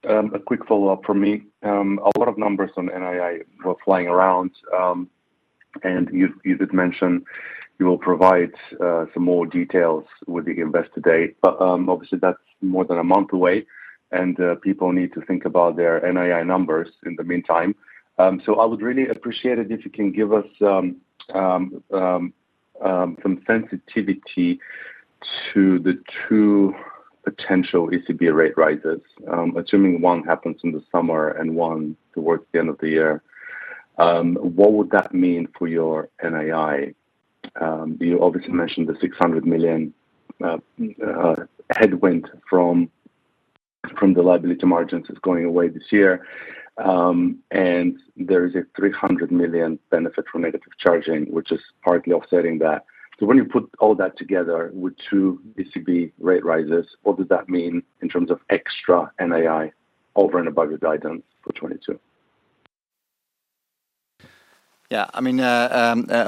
A quick follow-up from me. A lot of numbers on NII were flying around, and you did mention you will provide some more details with the Investor Day. Obviously that's more than a month away, and people need to think about their NII numbers in the meantime. I would really appreciate it if you can give us some sensitivity to the two potential ECB rate rises. Assuming one happens in the summer and one towards the end of the year, what would that mean for your NII? You obviously mentioned the 600 million headwind from the liability margins is going away this year. There is a 300 million benefit from negative charging, which is partly offsetting that. When you put all that together with two ECB rate rises, what does that mean in terms of extra NII over and above your guidance for 2022? Yeah. I mean,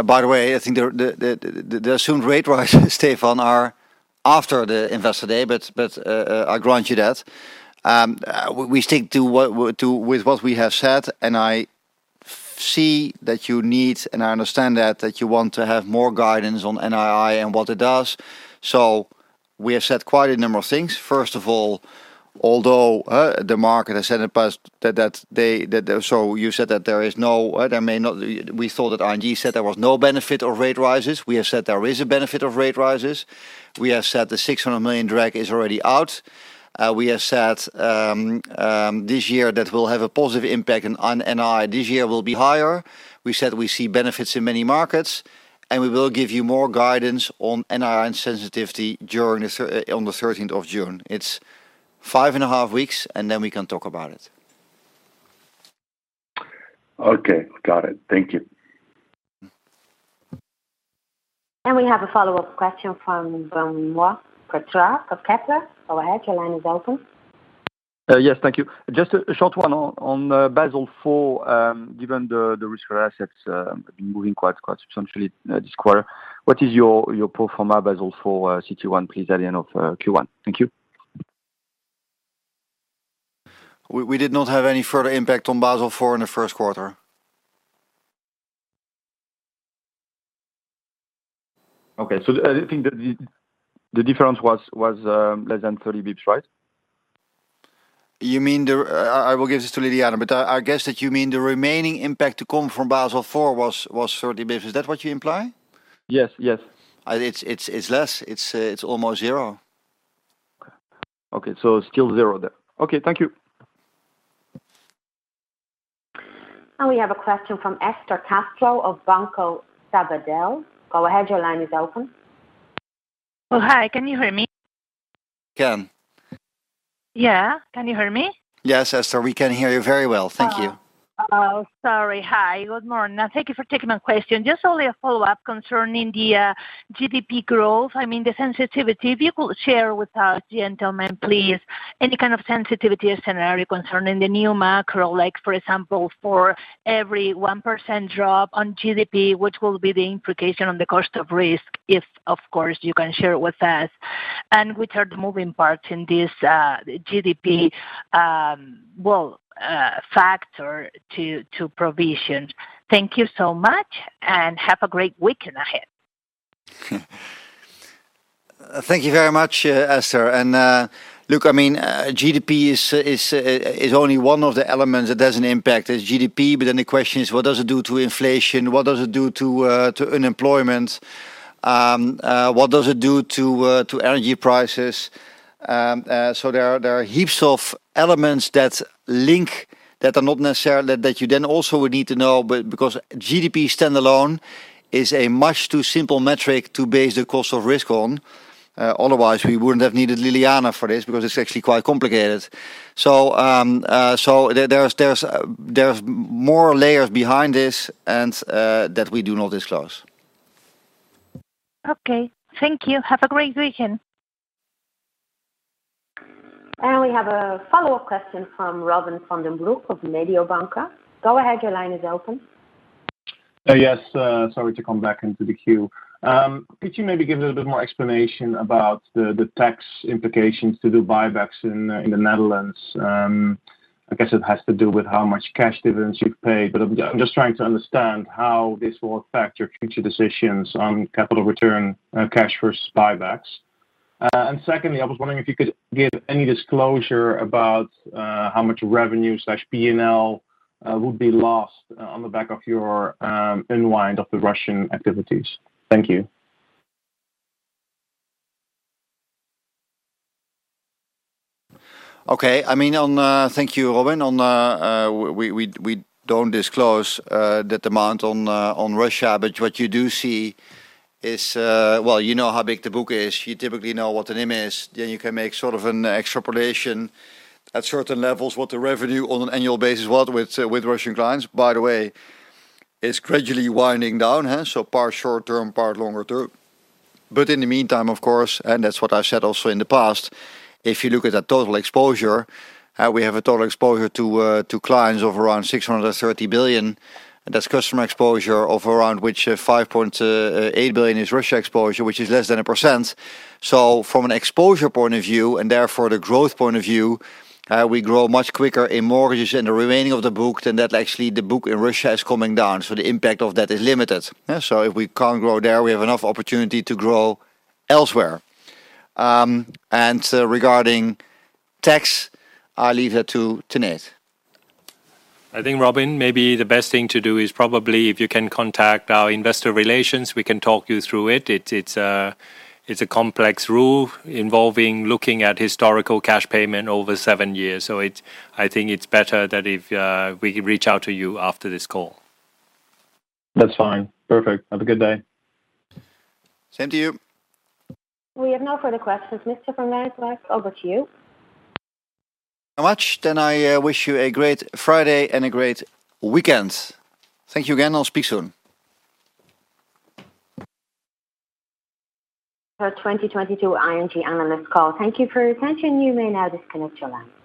by the way, I think the assumed rate rises, Stefan, are after the Investor Day, but I grant you that. We stick to what we have said, and I see that you need, and I understand that you want to have more guidance on NII and what it does. We have said quite a number of things. First of all, although the market has said in the past that they said there was no benefit of rate rises. We thought that RBC said there was no benefit of rate rises. We have said there is a benefit of rate rises. We have said the 600 million drag is already out. We have said this year that will have a positive impact on NII. This year will be higher. We said we see benefits in many markets, and we will give you more guidance on NII and sensitivity on the thirteenth of June. It's five and a half weeks, and then we can talk about it. Okay. Got it. Thank you. We have a follow-up question from Benoît Pétrarque of Kepler. Go ahead, your line is open. Yes, thank you. Just a short one on Basel IV. Given the risk for assets moving quite substantially this quarter, what is your pro forma Basel IV CET1 please at the end of first quarter? Thank you. We did not have any further impact on Basel IV in the first quarter. Okay. I think the difference was less than 30 basis points, right? I will give this to Ljiljana, but I guess that you mean the remaining impact to come from Basel IV was 30 basis points. Is that what you imply? Yes. Yes. It's less. It's almost zero. Okay. Still zero then. Okay. Thank you. We have a question from Esther Castro of Banco Sabadell. Go ahead, your line is open. Oh, hi. Can you hear me? Can. Yeah. Can you hear me? Yes, Esther, we can hear you very well. Thank you. Oh, sorry. Hi. Good morning. Thank you for taking my question. Just only a follow-up concerning the GDP growth. I mean, the sensitivity. If you could share with us, gentlemen, please, any kind of sensitivity or scenario concerning the new macro, like for example, for every 1% drop on GDP, what will be the implication on the cost of risk if, of course, you can share it with us. Which are the moving parts in this GDP factor to provision. Thank you so much, and have a great weekend ahead. Thank you very much, Esther. Look, I mean, GDP is only one of the elements that doesn't impact. There's GDP, but then the question is what does it do to inflation? What does it do to unemployment? What does it do to energy prices? There are heaps of elements that link that are not necessarily that you then also would need to know. Because GDP standalone is a much too simple metric to base the cost of risk on, otherwise we wouldn't have needed Ljiljana for this because it's actually quite complicated. There's more layers behind this and that we do not disclose. Okay. Thank you. Have a great weekend. We have a follow-up question from Robin van den Broek of Mediobanca. Go ahead, your line is open. Yes, sorry to come back into the queue. Could you maybe give a little bit more explanation about the tax implications to the buy-backs in the Netherlands? I guess it has to do with how much cash dividends you've paid, but I'm just trying to understand how this will affect your future decisions on capital return, cash versus buybacks. Secondly, I was wondering if you could give any disclosure about how much revenue/P&L would be lost on the back of your unwind of the Russian activities. Thank you. Okay. I mean, thank you, Robin. On, we don't disclose the demand on Russia, but what you do see is, well, you know how big the book is. You typically know what the name is. Then you can make sort of an extrapolation at certain levels, what the revenue on an annual basis, what with Russian clients. By the way, it's gradually winding down, huh? Part short term, part longer term. In the meantime, of course, and that's what I've said also in the past, if you look at the total exposure, we have a total exposure to clients of around 630 billion. That's customer exposure of around, which 5.8 billion is Russia exposure, which is less than 1%. From an exposure point of view, and therefore the growth point of view, we grow much quicker in mortgages in the remaining of the book than that. Actually, the book in Russia is coming down. The impact of that is limited. Yeah? If we can't grow there, we have enough opportunity to grow elsewhere. Regarding tax, I'll leave that to Nate. I think, Robin, maybe the best thing to do is probably if you can contact our investor relations, we can talk you through it. It's a complex rule involving looking at historical cash payment over seven years. I think it's better that if we reach out to you after this call. That's fine. Perfect. Have a good day. Same to you. We have no further questions. Mr. van Rijswijk, back over to you. Much. I wish you a great Friday and a great weekend. Thank you again, and I'll speak soon. For 2022 ING analyst call. Thank you for your attention. You may now disconnect your line.